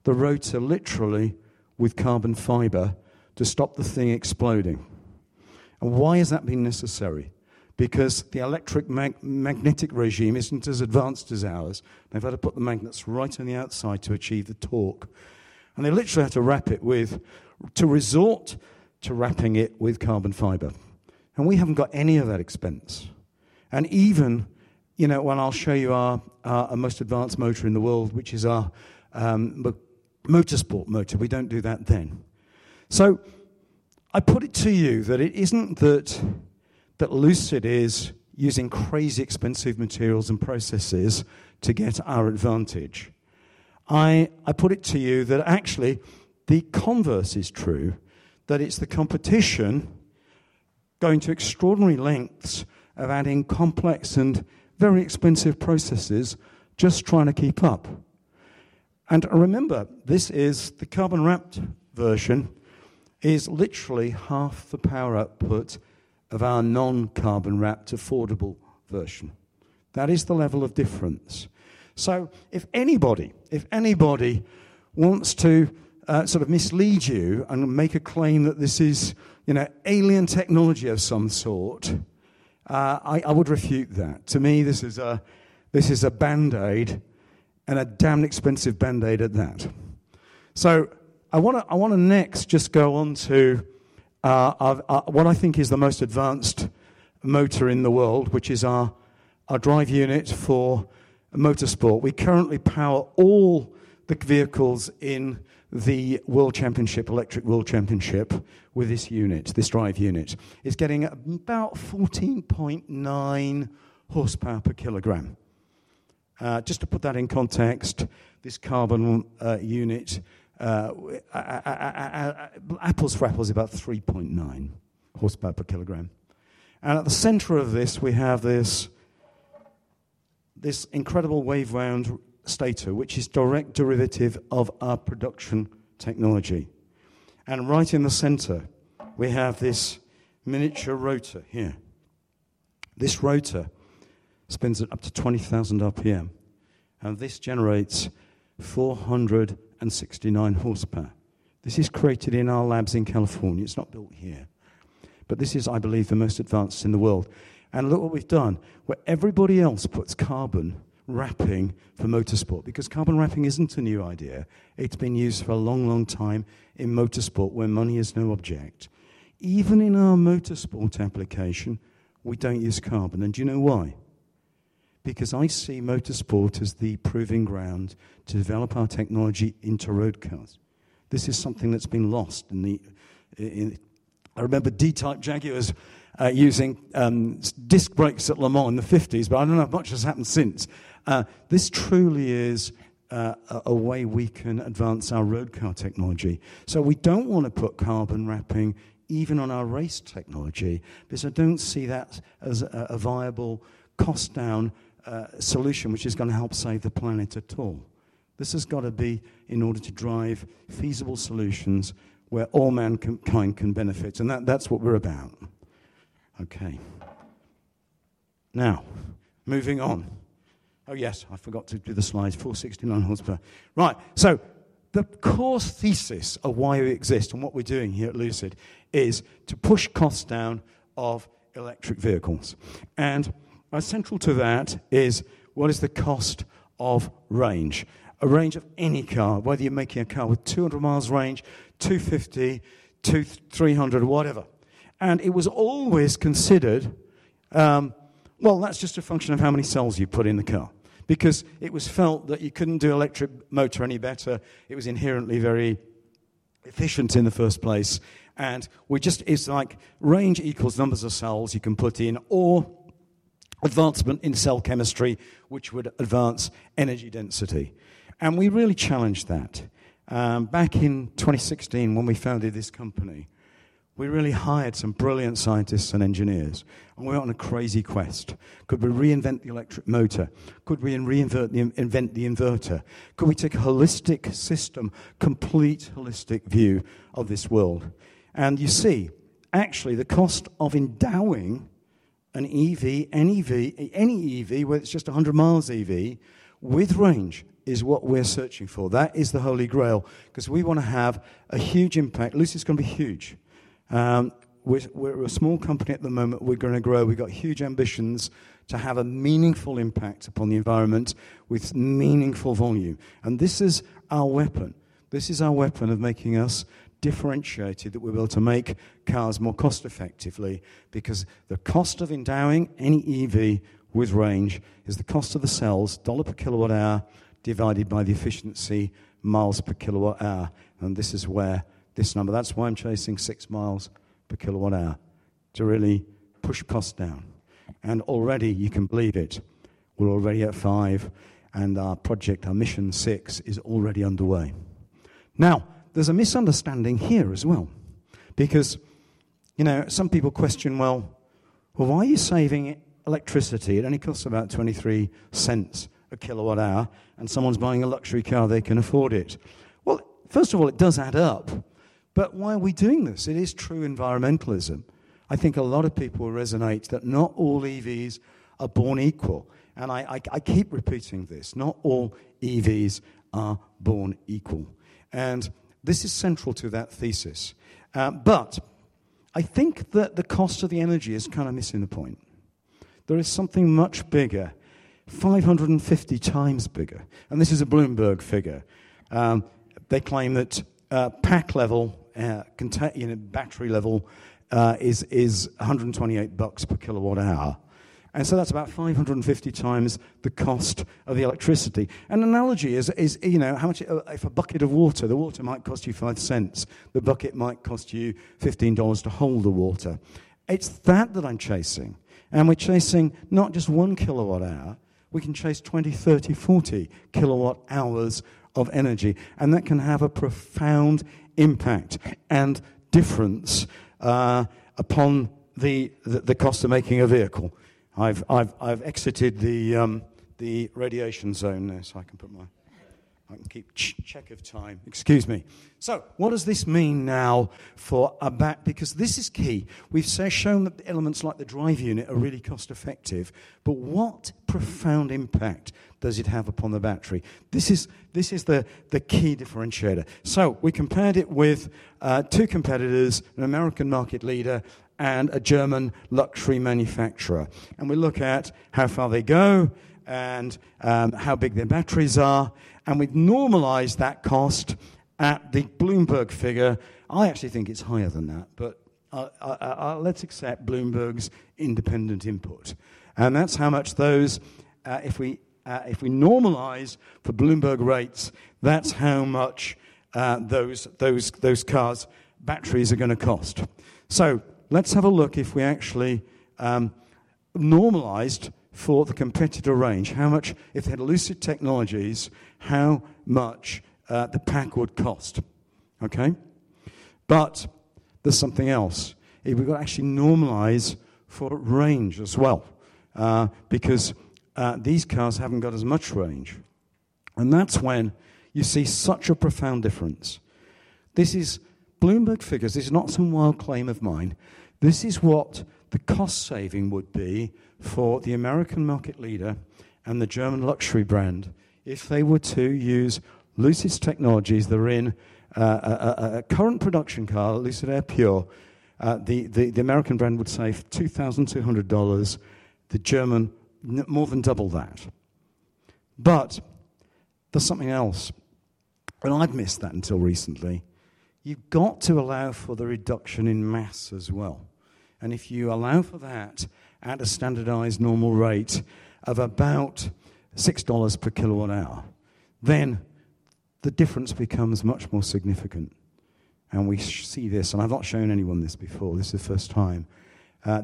the rotor literally with carbon fiber to stop the thing exploding. And why has that been necessary? Because the electromagnetic regime isn't as advanced as ours. They've had to put the magnets right on the outside to achieve the torque. And they literally had to resort to wrapping it with carbon fiber. And we haven't got any of that expense. And even when I'll show you our most advanced motor in the world, which is our motorsport motor, we don't do that then. So I put it to you that it isn't that Lucid is using crazy expensive materials and processes to get our advantage. I put it to you that actually the converse is true, that it's the competition going to extraordinary lengths of adding complex and very expensive processes just trying to keep up. And remember, this is the carbon-wrapped version is literally half the power output of our non-carbon-wrapped affordable version. That is the level of difference. So if anybody wants to sort of mislead you and make a claim that this is alien technology of some sort, I would refute that. To me, this is a band-aid and a damn expensive band-aid at that. I want to next just go on to what I think is the most advanced motor in the world, which is our drive unit for motorsport. We currently power all the vehicles in the World Championship, Electric World Championship, with this unit, this drive unit. It's getting about 14.9 horsepower per kilogram. Just to put that in context, this carbon unit, apples for apples, about 3.9 horsepower per kilogram. And at the center of this, we have this incredible wave-wound stator, which is direct derivative of our production technology. And right in the center, we have this miniature rotor here. This rotor spins at up to 20,000 RPM. And this generates 469 horsepower. This is created in our labs in California. It's not built here. But this is, I believe, the most advanced in the world. And look what we've done. Where everybody else puts carbon wrapping for motorsport, because carbon wrapping isn't a new idea. It's been used for a long, long time in motorsport where money is no object. Even in our motorsport application, we don't use carbon. And do you know why? Because I see motorsport as the proving ground to develop our technology into road cars. This is something that's been lost. I remember D-Type Jaguars using disc brakes at Le Mans in the '50s, but I don't know how much has happened since. This truly is a way we can advance our road car technology. So we don't want to put carbon wrapping even on our race technology because I don't see that as a viable cost-down solution which is going to help save the planet at all. This has got to be in order to drive feasible solutions where all mankind can benefit. That's what we're about. Okay. Now, moving on. Oh yes, I forgot to do the slides. 469 horsepower. Right. The core thesis of why we exist and what we're doing here at Lucid is to push costs down of electric vehicles. Central to that is, what is the cost of range? The range of any car, whether you're making a car with 200 mi range, 250, 300, whatever. It was always considered, well, that's just a function of how many cells you put in the car. Because it was felt that you couldn't do electric motor any better. It was inherently very efficient in the first place. It's like range equals numbers of cells you can put in or advancement in cell chemistry, which would advance energy density. We really challenged that. Back in 2016, when we founded this company, we really hired some brilliant scientists and engineers. And we went on a crazy quest. Could we reinvent the electric motor? Could we reinvent the inverter? Could we take a holistic system, a complete holistic view of this world? And you see, actually, the cost of endowing an EV, any EV, whether it's just a 100 mi EV with range, is what we're searching for. That is the Holy Grail because we want to have a huge impact. Lucid's going to be huge. We're a small company at the moment. We're going to grow. We've got huge ambitions to have a meaningful impact upon the environment with meaningful volume. And this is our weapon. This is our weapon of making us differentiated, that we're able to make cars more cost-effectively because the cost of endowing any EV with range is the cost of the cells, $ per kilowatt-hour, divided by the efficiency, miles per kilowatt-hour. And this is where this number, that's why I'm chasing 6 mi per kWh, to really push costs down. And already, you can believe it. We're already at five. And our project, our Vision Six, is already underway. Now, there's a misunderstanding here as well because some people question, well, why are you saving electricity? It only costs about $0.23 per kWh, and someone's buying a luxury car, they can afford it, well, first of all, it does add up, but why are we doing this? It is true environmentalism. I think a lot of people resonate that not all EVs are born equal, and I keep repeating this. Not all EVs are born equal. And this is central to that thesis. But I think that the cost of the energy is kind of missing the point. There is something much bigger, 550x bigger. And this is a Bloomberg figure. They claim that pack level, battery level is $128 per kWh. And so that's about 550x the cost of the electricity. And analogy is how much if a bucket of water, the water might cost you five cents. The bucket might cost you $15 to hold the water. It's that that I'm chasing. And we're chasing not just 1 kWh. We can chase 20, 30, 40 kWh of energy. And that can have a profound impact and difference upon the cost of making a vehicle. I've exited the radiation zone so I can put my. I can keep check of time. Excuse me. So what does this mean now for—because this is key. We've shown that elements like the drive unit are really cost-effective. But what profound impact does it have upon the battery? This is the key differentiator. So we compared it with two competitors: an American market leader and a German luxury manufacturer. And we look at how far they go and how big their batteries are. And we've normalized that cost at the Bloomberg figure. I actually think it's higher than that, but let's accept Bloomberg's independent input. And that's how much those—if we normalize for Bloomberg rates, that's how much those cars' batteries are going to cost. So let's have a look if we actually normalized for the competitor range. If they had Lucid's technologies, how much the pack would cost. Okay? But there's something else. If we actually normalize for range as well because these cars haven't got as much range, and that's when you see such a profound difference. This is Bloomberg figures. This is not some wild claim of mine. This is what the cost saving would be for the American market leader and the German luxury brand if they were to use Lucid's technologies. They're in a current production car, Lucid Air Pure. The American brand would save $2,200. The German, more than double that. But there's something else, and I've missed that until recently. You've got to allow for the reduction in mass as well, and if you allow for that at a standardized normal rate of about $6 per kWh, then the difference becomes much more significant, and we see this. And I've not shown anyone this before. This is the first time.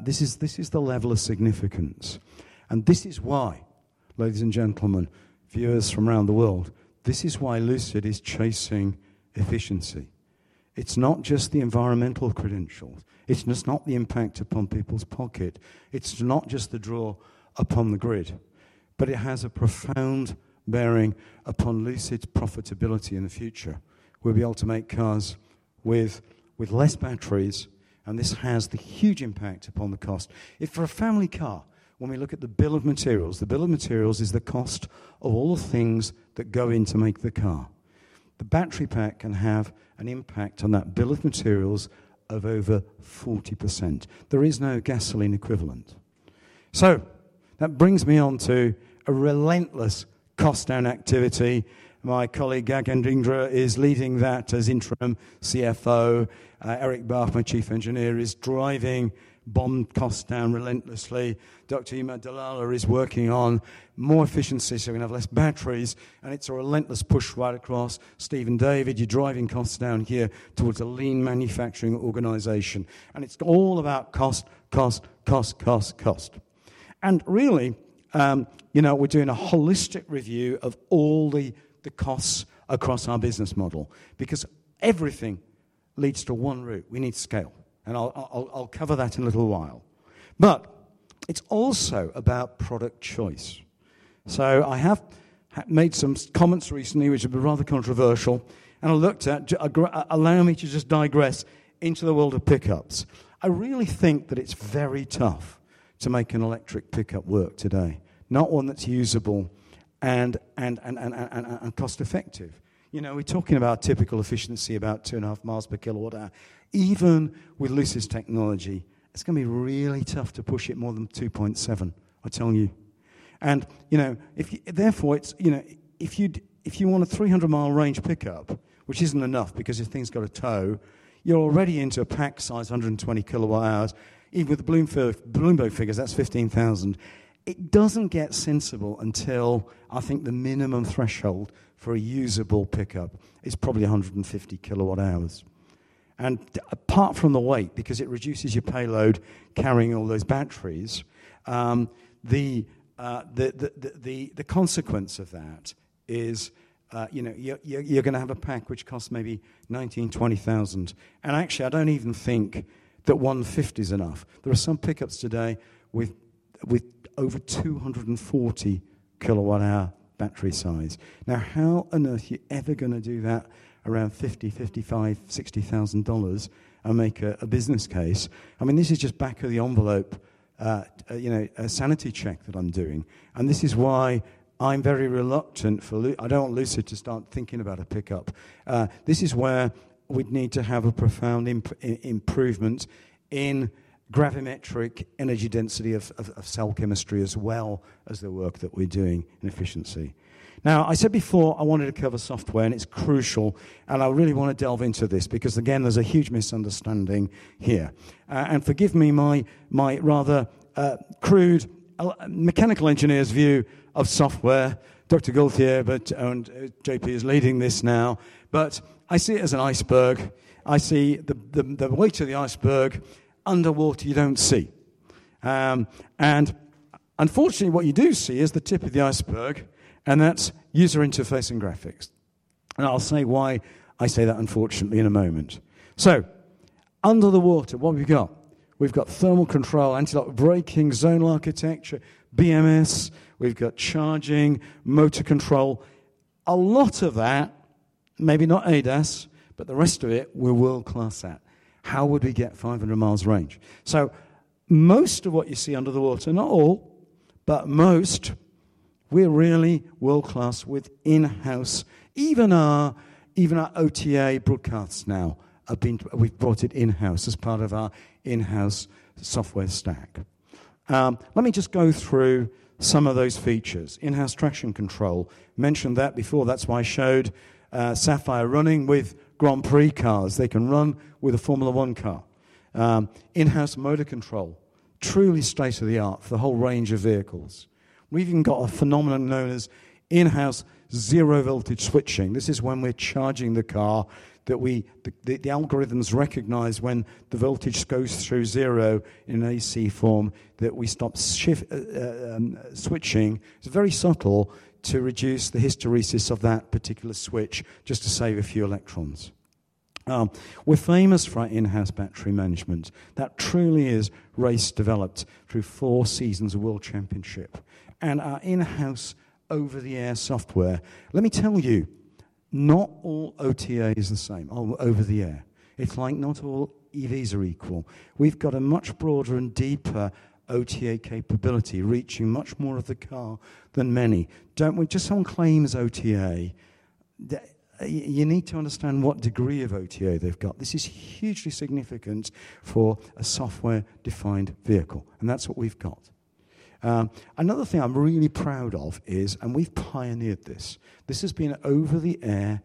This is the level of significance. And this is why, ladies and gentlemen, viewers from around the world, this is why Lucid is chasing efficiency. It's not just the environmental credentials. It's just not the impact upon people's pocket. It's not just the draw upon the grid. But it has a profound bearing upon Lucid's profitability in the future. We'll be able to make cars with less batteries. And this has the huge impact upon the cost. If for a family car, when we look at the bill of materials, the bill of materials is the cost of all the things that go in to make the car, the battery pack can have an impact on that bill of materials of over 40%. There is no gasoline equivalent. So that brings me on to a relentless cost-down activity. My colleague, Gagan Dhingra, is leading that as Interim CFO. Eric Bach, my chief engineer, is driving BOM costs down relentlessly. Dr. Emad Dlala is working on more efficiency so we can have less batteries. It's a relentless push right across Steven David. You're driving costs down here towards a lean manufacturing organization. It's all about cost, cost, cost, cost, cost. Really, we're doing a holistic review of all the costs across our business model because everything leads to one route. We need scale. I'll cover that in a little while. It's also about product choice. I have made some comments recently which have been rather controversial. I looked at, allow me to just digress, into the world of pickups. I really think that it's very tough to make an electric pickup work today, not one that's usable and cost-effective. We're talking about typical efficiency about 2.5 mi per kWh. Even with Lucid's technology, it's going to be really tough to push it more than 2.7, I tell you. And therefore, if you want a 300 mi range pickup, which isn't enough because if things got a tow, you're already into a pack size 120 kWh. Even with the Bloomberg figures, that's $15,000. It doesn't get sensible until I think the minimum threshold for a usable pickup is probably 150 kWh. And apart from the weight, because it reduces your payload carrying all those batteries, the consequence of that is you're going to have a pack which costs maybe $19,000-$20,000. And actually, I don't even think that 150 is enough. There are some pickups today with over 240 kWh battery size. Now, how on earth are you ever going to do that around $50,000-$60,000 and make a business case? I mean, this is just back of the envelope, a sanity check that I'm doing, and this is why I'm very reluctant for, I don't want Lucid to start thinking about a pickup. This is where we'd need to have a profound improvement in gravimetric energy density of cell chemistry as well as the work that we're doing in efficiency. Now, I said before I wanted to cover software, and it's crucial, and I really want to delve into this because, again, there's a huge misunderstanding here, and forgive me my rather crude mechanical engineer's view of software. Dr. Gauthier and JP are leading this now, but I see it as an iceberg. I see the weight of the iceberg underwater, you don't see, and unfortunately, what you do see is the tip of the iceberg, and that's user interface and graphics. I'll say why I say that, unfortunately, in a moment. Under the water, what have we got? We've got thermal control, anti-lock braking, zonal architecture, BMS. We've got charging, motor control. A lot of that, maybe not ADAS, but the rest of it, we're world-class at. How would we get 500 mi range? Most of what you see under the water, not all, but most, we're really world-class with in-house. Even our OTA broadcasts now, we've brought it in-house as part of our in-house software stack. Let me just go through some of those features. In-house traction control. Mentioned that before. That's why I showed Sapphire running with Grand Prix cars. They can run with a Formula 1 car. In-house motor control, truly state-of-the-art for the whole range of vehicles. We've even got a phenomenon known as in-house zero-voltage switching. This is when we're charging the car that the algorithms recognize when the voltage goes through zero in an AC form, that we stop switching. It's very subtle to reduce the hysteresis of that particular switch just to save a few electrons. We're famous for our in-house battery management. That truly is race developed through four seasons of the World Championship. And our in-house over-the-air software, let me tell you, not all OTA is the same over the air. It's like not all EVs are equal. We've got a much broader and deeper OTA capability reaching much more of the car than many. Just someone claims OTA, you need to understand what degree of OTA they've got. This is hugely significant for a software-defined vehicle, and that's what we've got. Another thing I'm really proud of is, and we've pioneered this, this has been over-the-air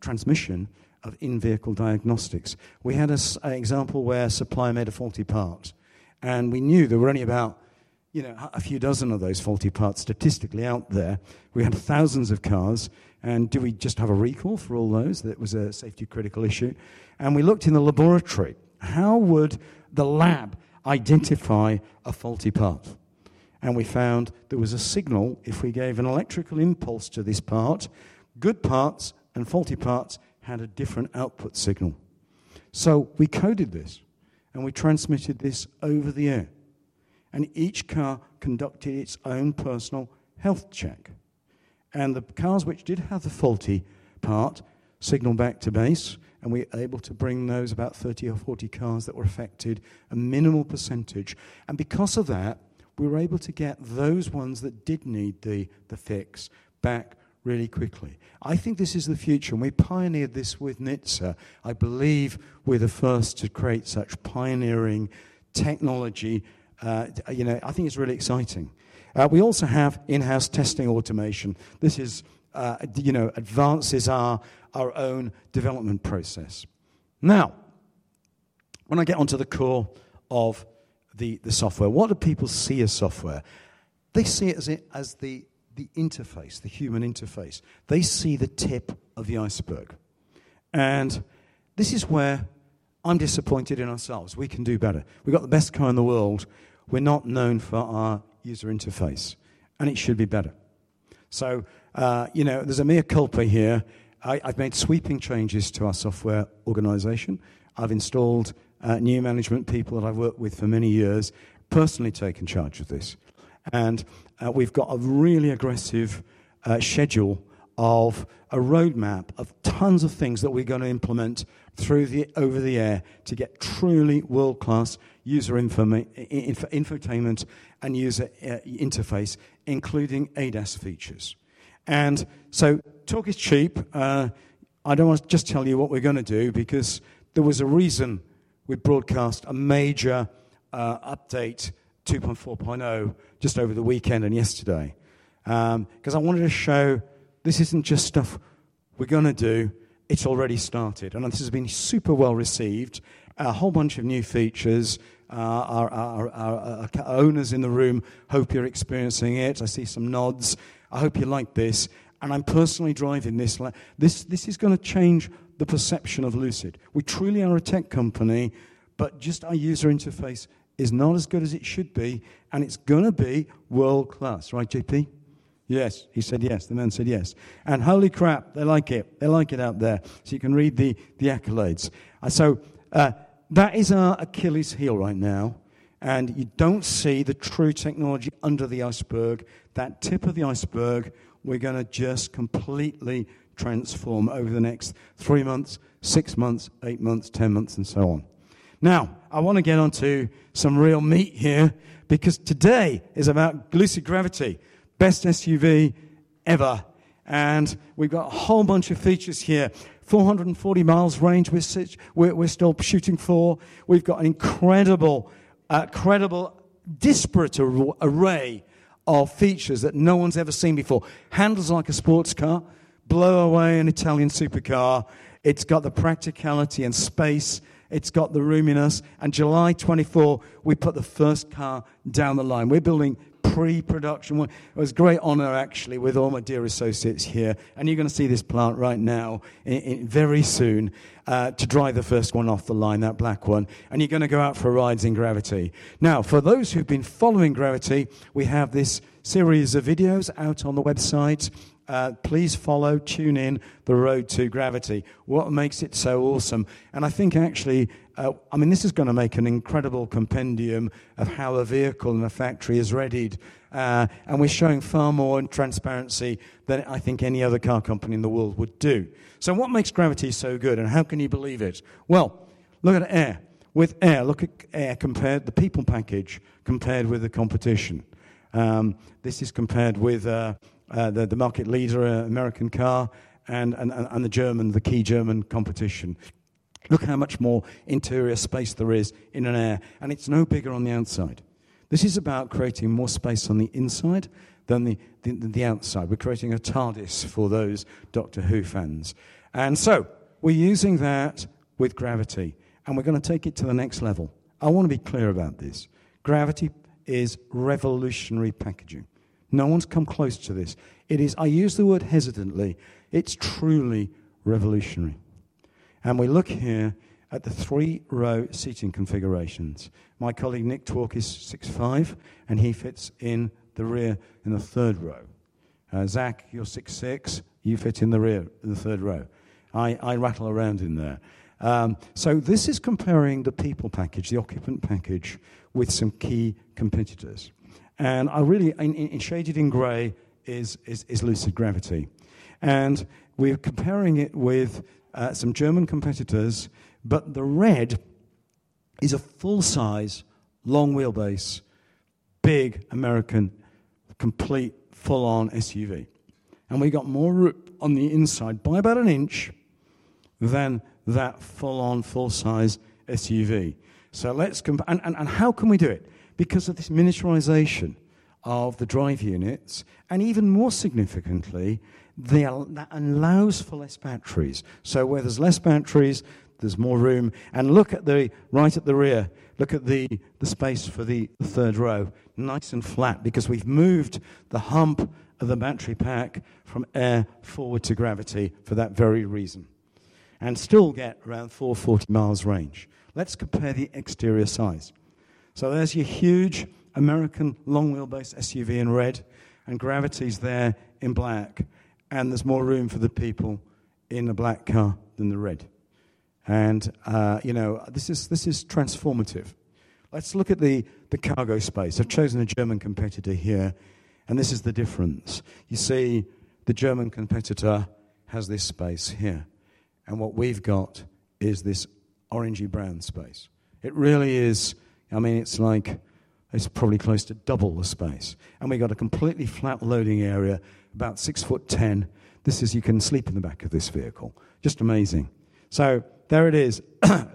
transmission of in-vehicle diagnostics. We had an example where supply made a faulty part. And we knew there were only about a few dozen of those faulty parts statistically out there. We had thousands of cars. And do we just have a recall for all those? That was a safety-critical issue. And we looked in the laboratory. How would the lab identify a faulty part? And we found there was a signal if we gave an electrical impulse to this part. Good parts and faulty parts had a different output signal. So we coded this. And we transmitted this over the air. And each car conducted its own personal health check. And the cars which did have the faulty part signaled back to base. And we were able to bring those about 30 or 40 cars that were affected a minimal percentage. And because of that, we were able to get those ones that did need the fix back really quickly. I think this is the future. And we pioneered this with NHTSA. I believe we're the first to create such pioneering technology. I think it's really exciting. We also have in-house testing automation. This advances our own development process. Now, when I get onto the core of the software, what do people see as software? They see it as the interface, the human interface. They see the tip of the iceberg. And this is where I'm disappointed in ourselves. We can do better. We've got the best car in the world. We're not known for our user interface. And it should be better. So there's a mea culpa here. I've made sweeping changes to our software organization. I've installed new management people that I've worked with for many years, personally taken charge of this, and we've got a really aggressive schedule of a roadmap of tons of things that we're going to implement through the over-the-air to get truly world-class user infotainment and user interface, including ADAS features. So talk is cheap. I don't want to just tell you what we're going to do because there was a reason we broadcast a major update, 2.4.0, just over the weekend and yesterday, because I wanted to show this isn't just stuff we're going to do. It's already started, and this has been super well received. A whole bunch of new features. Our owners in the room hope you're experiencing it. I see some nods. I hope you like this, and I'm personally driving this. This is going to change the perception of Lucid. We truly are a tech company, but just our user interface is not as good as it should be, and it's going to be world-class. Right, JP? Yes. He said yes. The man said yes, and holy crap, they like it. They like it out there, so you can read the accolades, so that is our Achilles heel right now, and you don't see the true technology under the iceberg. That tip of the iceberg, we're going to just completely transform over the next three months, six months, eight months, 10 months, and so on. Now, I want to get onto some real meat here because today is about Lucid Gravity, best SUV ever, and we've got a whole bunch of features here. 440-mile range we're still shooting for. We've got an incredible, disparate array of features that no one's ever seen before. Handles like a sports car. Blow away an Italian supercar. It's got the practicality and space. It's got the roominess. And July 24, we put the first car down the line. We're building pre-production. It was great honor, actually, with all my dear associates here. And you're going to see this plant right now very soon to drive the first one off the line, that black one. And you're going to go out for a ride in Gravity. Now, for those who've been following Gravity, we have this series of videos out on the website. Please follow, tune in, The Road to Gravity. What makes it so awesome? And I think, actually, I mean, this is going to make an incredible compendium of how a vehicle in a factory is readied. And we're showing far more transparency than I think any other car company in the world would do. So what makes Gravity so good? And how can you believe it? Well, look at Air. With Air, look at Air compared to the people package compared with the competition. This is compared with the market leader, American car, and the German, the key German competition. Look how much more interior space there is in an Air. And it's no bigger on the outside. This is about creating more space on the inside than the outside. We're creating a TARDIS for those Doctor Who fans. And so we're using that with Gravity. And we're going to take it to the next level. I want to be clear about this. Gravity is revolutionary packaging. No one's come close to this. I use the word hesitantly. It's truly revolutionary. And we look here at the three-row seating configurations. My colleague, Nick Twork, is 6'5", and he fits in the rear in the third row. Zach, you're 6'6". You fit in the rear in the third row. I rattle around in there. So this is comparing the people package, the occupant package, with some key competitors. And shaded in gray is Lucid Gravity. And we're comparing it with some German competitors. But the red is a full-size, long-wheelbase, big American, complete, full-on SUV. And we got more room on the inside by about an inch than that full-on, full-size SUV. And how can we do it? Because of this, miniaturization of the drive units. And even more significantly, that allows for less batteries. So where there's less batteries, there's more room. And look right at the rear. Look at the space for the third row. Nice and flat because we've moved the hump of the battery pack from Air forward to Gravity for that very reason. And still get around 440 mi range. Let's compare the exterior size. So there's your huge American long-wheelbase SUV in red. And Gravities there in black. And there's more room for the people in the black car than the red. And this is transformative. Let's look at the cargo space. I've chosen a German competitor here. And this is the difference. You see the German competitor has this space here. And what we've got is this orangey brown space. It really is, I mean, it's probably close to double the space. And we've got a completely flat loading area, about 6'10". This is, you can sleep in the back of this vehicle. Just amazing. So there it is.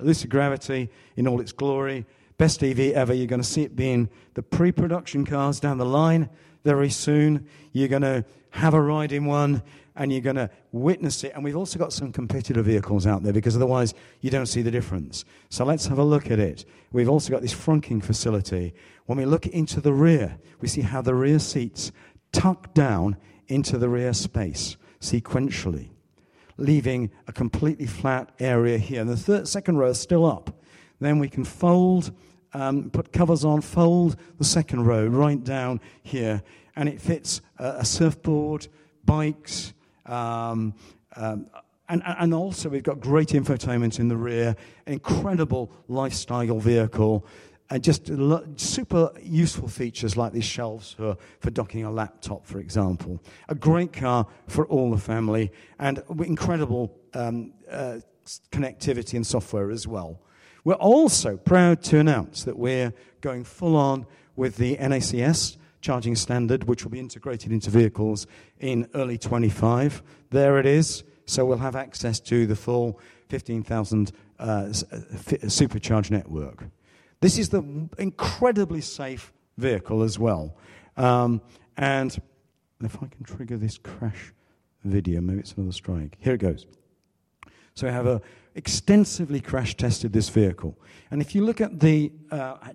Lucid Gravity in all its glory. Best EV ever. You're going to see it being the pre-production cars down the line very soon. You're going to have a ride in one. And you're going to witness it. And we've also got some competitor vehicles out there because otherwise, you don't see the difference, so let's have a look at it. We've also got this frunk facility. When we look into the rear, we see how the rear seats tuck down into the rear space sequentially, leaving a completely flat area here, and the second row is still up, then we can fold, put covers on, fold the second row right down here, and it fits a surfboard, bikes, and also, we've got great infotainment in the rear. Incredible lifestyle vehicle, and just super useful features like these shelves for docking a laptop, for example. A great car for all the family, and incredible connectivity and software as well. We're also proud to announce that we're going full-on with the NACS charging standard, which will be integrated into vehicles in early 2025. There it is. So we'll have access to the full 15,000 Supercharger network. This is the incredibly safe vehicle as well. And if I can trigger this crash video, maybe it's another strike. Here it goes. So we have extensively crash tested this vehicle. And if you look at the,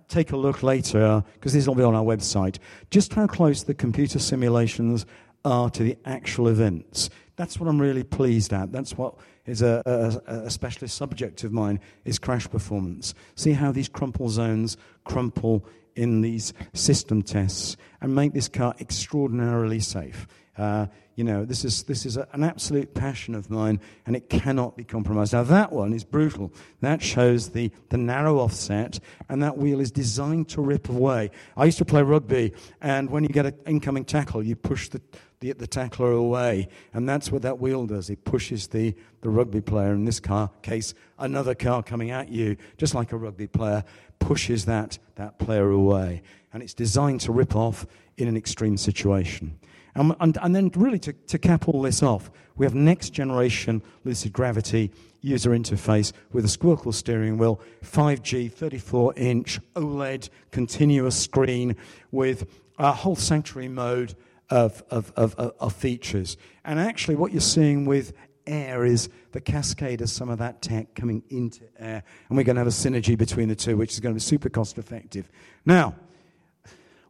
take a look later because this will be on our website, just how close the computer simulations are to the actual events. That's what I'm really pleased at. That's what is a specialist subject of mine is crash performance. See how these crumple zones crumple in these system tests and make this car extraordinarily safe. This is an absolute passion of mine. And it cannot be compromised. Now, that one is brutal. That shows the narrow offset. And that wheel is designed to rip away. I used to play rugby. And when you get an incoming tackle, you push the tackler away. That's what that wheel does. It pushes the rugby player in this case, another car coming at you, just like a rugby player pushes that player away. It's designed to rip off in an extreme situation. Then really to cap all this off, we have next-generation Lucid Gravity user interface with a squircle steering wheel, 5G, 34-inch OLED continuous screen with a whole Sanctuary Mode of features. Actually, what you're seeing with Air is the cascade of some of that tech coming into Air. We're going to have a synergy between the two, which is going to be super cost-effective. Now,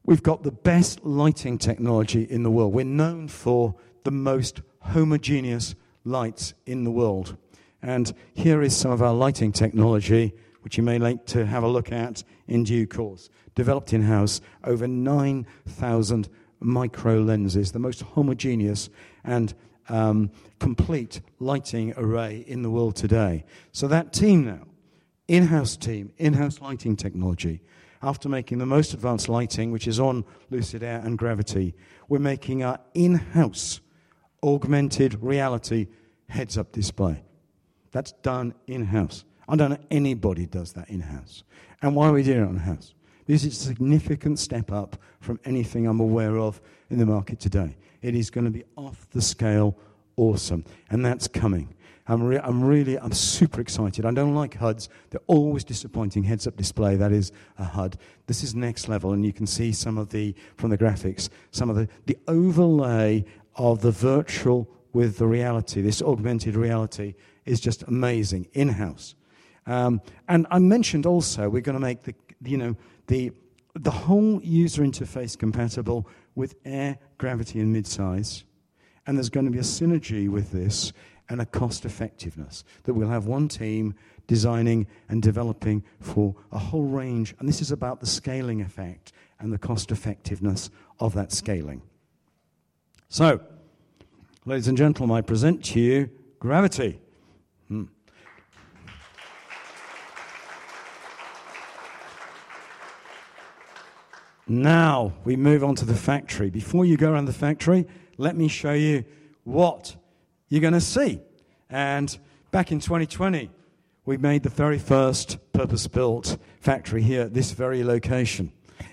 we've got the best lighting technology in the world. We're known for the most homogeneous lights in the world. Here is some of our lighting technology, which you may like to have a look at in due course. Developed in-house over 9,000 micro lenses, the most homogeneous and complete lighting array in the world today, so that team now, in-house team, in-house lighting technology, after making the most advanced lighting, which is on Lucid Air and Lucid Gravity, we're making our in-house augmented reality heads-up display. That's done in-house. I don't know anybody does that in-house, and why are we doing it in-house? This is a significant step up from anything I'm aware of in the market today. It is going to be off the scale, awesome, and that's coming. I'm really super excited. I don't like HUDs. They're always disappointing. Heads-up display, that is a HUD. This is next level, and you can see some of the overlay from the graphics of the virtual with the reality. This augmented reality is just amazing in-house. I mentioned also we're going to make the whole user interface compatible with Air, Gravity, and Midsize. There's going to be a synergy with this and a cost-effectiveness that we'll have one team designing and developing for a whole range. This is about the scaling effect and the cost-effectiveness of that scaling. Ladies and gentlemen, I present to you Gravity. Now, we move on to the factory. Before you go around the factory, let me show you what you're going to see. Back in 2020, we made the very first purpose-built factory here at this very location.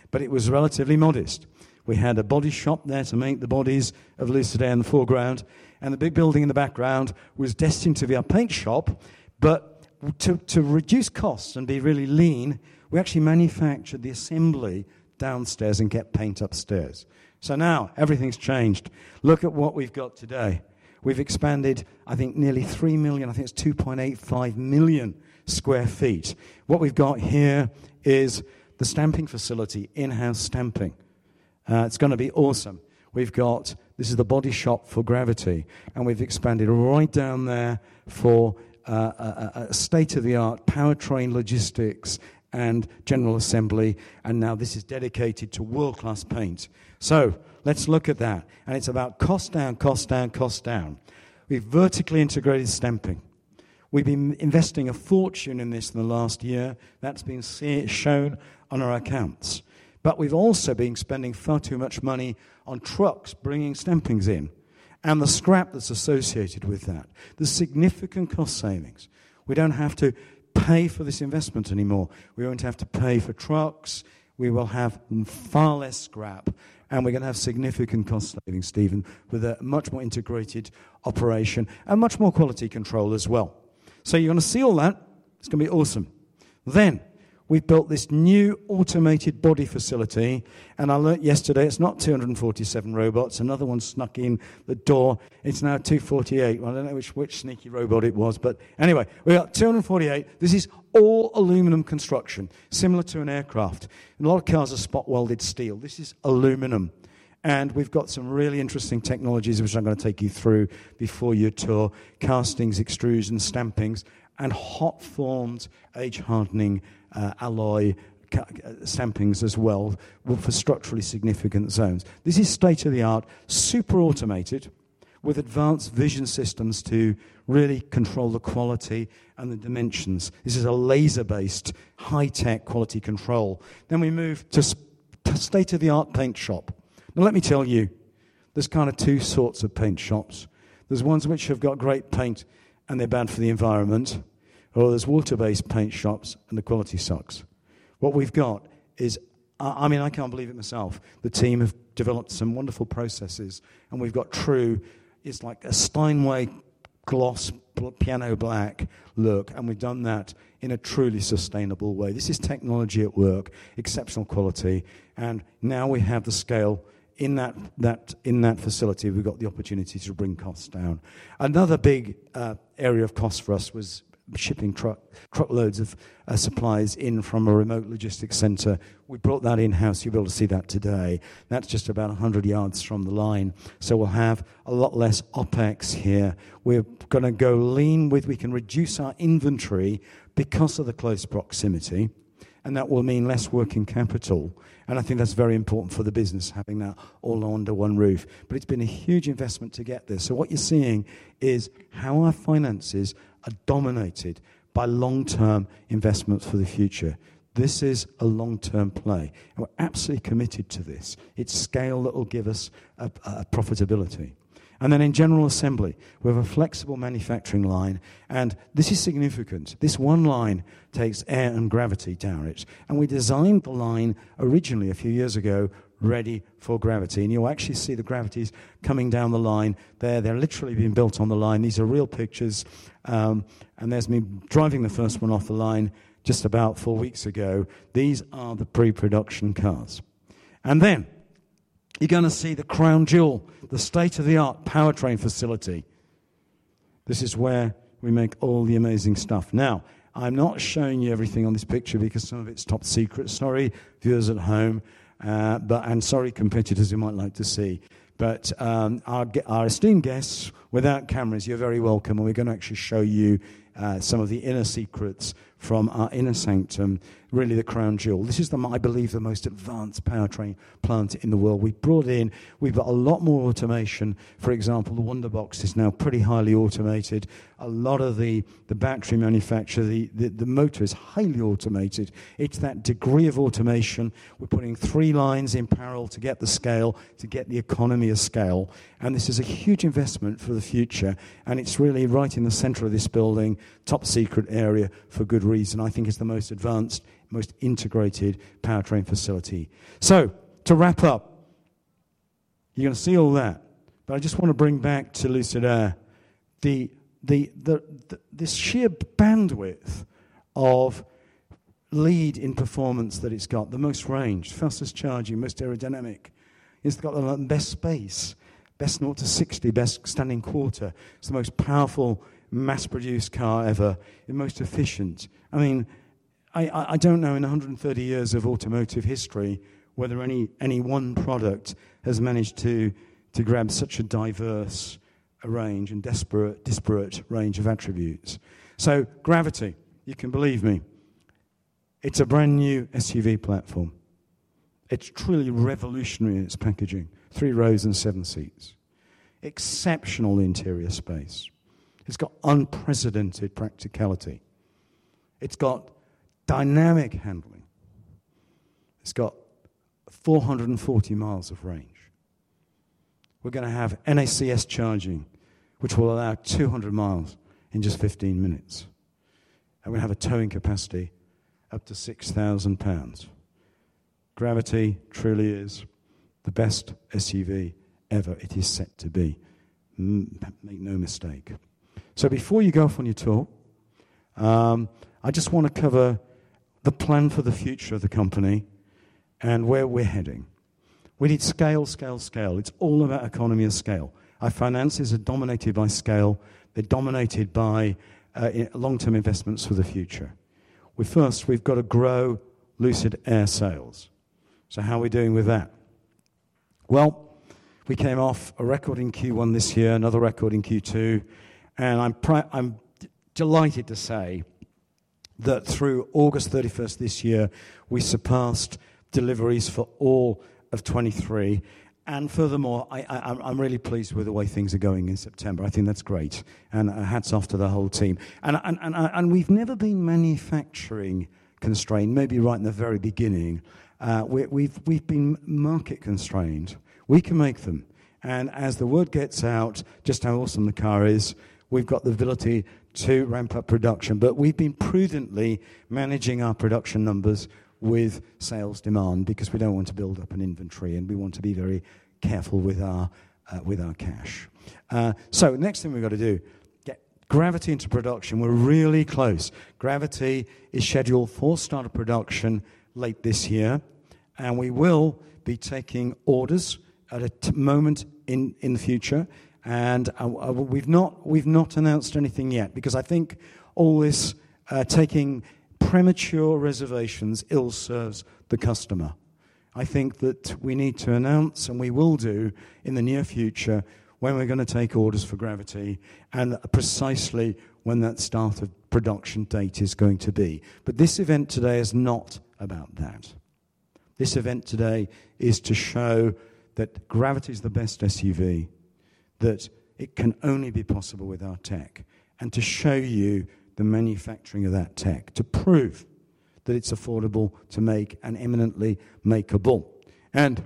But it was relatively modest. We had a body shop there to make the bodies of Lucid Air in the foreground. The big building in the background was destined to be our paint shop. But to reduce costs and be really lean, we actually manufactured the assembly downstairs and kept paint upstairs. So now everything's changed. Look at what we've got today. We've expanded, I think, nearly three million. I think it's 2.85 million sq ft. What we've got here is the stamping facility, in-house stamping. It's going to be awesome. This is the body shop for Gravity. And we've expanded right down there for state-of-the-art powertrain logistics and general assembly. And now this is dedicated to world-class paint. So let's look at that. And it's about cost down, cost down, cost down. We've vertically integrated stamping. We've been investing a fortune in this in the last year. That's been shown on our accounts. But we've also been spending far too much money on trucks bringing stampings in and the scrap that's associated with that. The significant cost savings. We don't have to pay for this investment anymore. We won't have to pay for trucks. We will have far less scrap. And we're going to have significant cost savings, Steven, with a much more integrated operation and much more quality control as well. So you're going to see all that. It's going to be awesome. Then we've built this new automated body facility. And I learned yesterday it's not 247 robots. Another one snuck in the door. It's now 248. I don't know which sneaky robot it was. But anyway, we got 248. This is all aluminum construction, similar to an aircraft. And a lot of cars are spot welded steel. This is aluminum. And we've got some really interesting technologies which I'm going to take you through before your tour: castings, extrusions, stampings, and hot forms, age-hardening alloy stampings as well for structurally significant zones. This is state-of-the-art, super automated, with advanced vision systems to really control the quality and the dimensions. This is a laser-based, high-tech quality control. Then we move to state-of-the-art paint shop. Now, let me tell you, there's kind of two sorts of paint shops. There's ones which have got great paint, and they're bad for the environment. Or there's water-based paint shops, and the quality sucks. What we've got is, I mean, I can't believe it myself. The team have developed some wonderful processes, and we've got true, it's like a Steinway gloss piano black look, and we've done that in a truly sustainable way. This is technology at work, exceptional quality, and now we have the scale. In that facility, we've got the opportunity to bring costs down. Another big area of cost for us was shipping truckloads of supplies in from a remote logistics center. We brought that in-house. You'll be able to see that today. That's just about 100 yards from the line. So we'll have a lot less OpEx here. We're going to go lean with we can reduce our inventory because of the close proximity. And that will mean less working capital. And I think that's very important for the business, having that all under one roof. But it's been a huge investment to get this. So what you're seeing is how our finances are dominated by long-term investments for the future. This is a long-term play. And we're absolutely committed to this. It's scale that will give us profitability. And then in general assembly, we have a flexible manufacturing line. And this is significant. This one line takes Air and Gravity down. And we designed the line originally a few years ago, ready for Gravity. And you'll actually see the Gravities coming down the line there. They're literally being built on the line. These are real pictures. And there's me driving the first one off the line just about four weeks ago. These are the pre-production cars. And then you're going to see the crown jewel, the state-of-the-art powertrain facility. This is where we make all the amazing stuff. Now, I'm not showing you everything on this picture because some of it's top secret. Sorry, viewers at home. And sorry, competitors, you might like to see. But our esteemed guests, without cameras, you're very welcome. And we're going to actually show you some of the inner secrets from our inner sanctum, really the crown jewel. This is, I believe, the most advanced powertrain plant in the world. We brought in. We've got a lot more automation. For example, the Wunderbox is now pretty highly automated. A lot of the battery manufacture, the motor is highly automated. It's that degree of automation. We're putting three lines in parallel to get the scale, to get the economy of scale. And this is a huge investment for the future. And it's really right in the center of this building, top secret area for good reason. I think it's the most advanced, most integrated powertrain facility. So to wrap up, you're going to see all that. But I just want to bring back to Lucid Air this sheer bandwidth of lead in performance that it's got. The most range, fastest charging, most aerodynamic. It's got the best space, best 0 to 60, best standing quarter. It's the most powerful mass-produced car ever. It's most efficient. I mean, I don't know in 130 years of automotive history whether any one product has managed to grab such a diverse range and disparate range of attributes, so Gravity, you can believe me, it's a brand new SUV platform. It's truly revolutionary in its packaging. Three rows and seven seats. Exceptional interior space. It's got unprecedented practicality. It's got dynamic handling. It's got 440 mi of range. We're going to have NACS charging, which will allow 200 mi in just 15 minutes. And we have a towing capacity up to 6,000 pounds. Gravity truly is the best SUV ever. It is set to be. Make no mistake, so before you go off on your tour, I just want to cover the plan for the future of the company and where we're heading. We need scale, scale, scale. It's all about economy of scale. Our finances are dominated by scale. They're dominated by long-term investments for the future. First, we've got to grow Lucid Air sales. So how are we doing with that? Well, we came off a record in Q1 this year, another record in Q2, and I'm delighted to say that through August 31st this year, we surpassed deliveries for all of 2023. Furthermore, I'm really pleased with the way things are going in September. I think that's great, and hats off to the whole team. We've never been manufacturing constrained, maybe right in the very beginning. We've been market-constrained. We can make them, and as the word gets out, just how awesome the car is, we've got the ability to ramp up production. We've been prudently managing our production numbers with sales demand because we don't want to build up an inventory, and we want to be very careful with our cash. So next thing we've got to do, get Gravity into production. We're really close. Gravity is scheduled for start of production late this year. And we will be taking orders at a moment in the future. And we've not announced anything yet because I think all this taking premature reservations ill-serves the customer. I think that we need to announce, and we will do in the near future when we're going to take orders for Gravity and precisely when that start of production date is going to be. But this event today is not about that. This event today is to show that Gravity is the best SUV, that it can only be possible with our tech, and to show you the manufacturing of that tech, to prove that it's affordable to make and imminently makeable. And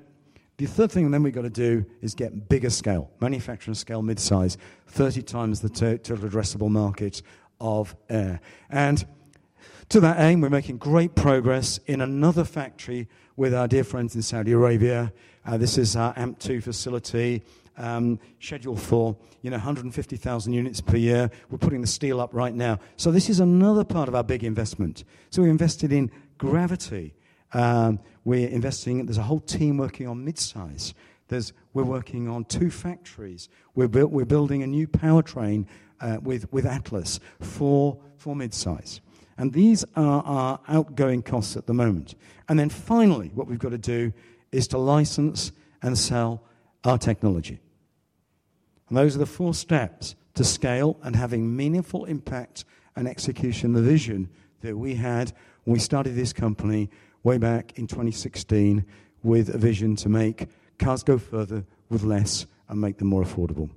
the third thing then we've got to do is get a bigger scale, manufacturing scale, Midsize, 30x the total addressable market of Air. And to that aim, we're making great progress in another factory with our dear friends in Saudi Arabia. This is our AMP-2 facility, scheduled for 150,000 units per year. We're putting the steel up right now. So this is another part of our big investment. So we've invested in Gravity. We're investing. There's a whole team working on Midsize. We're working on two factories. We're building a new powertrain with Atlas for Midsize. And these are our ongoing costs at the moment. And then finally, what we've got to do is to license and sell our technology. Those are the four steps to scale and having meaningful impact and execution, the vision that we had when we started this company way back in 2016 with a vision to make cars go further with less and make them more affordable.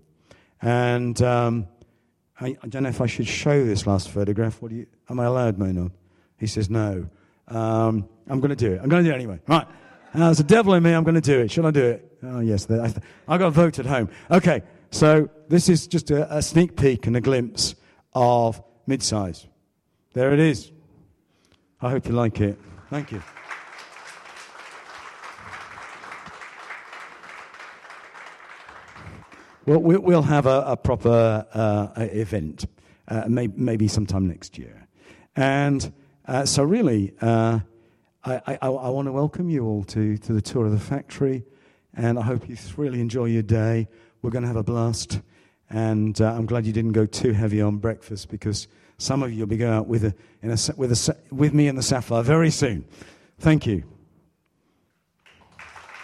I don't know if I should show this last photograph. Am I allowed, Maynard? He says, no. I'm going to do it. I'm going to do it anyway. Right. There's a devil in me. I'm going to do it. Should I do it? Oh, yes. I got a vote at home. Okay. So this is just a sneak peek and a glimpse of Midsize. There it is. I hope you like it. Thank you. We'll have a proper event maybe sometime next year. I want to welcome you all to the tour of the factory. I hope you really enjoy your day. We're going to have a blast, and I'm glad you didn't go too heavy on breakfast because some of you will be going out with me and the Sapphire very soon. Thank you.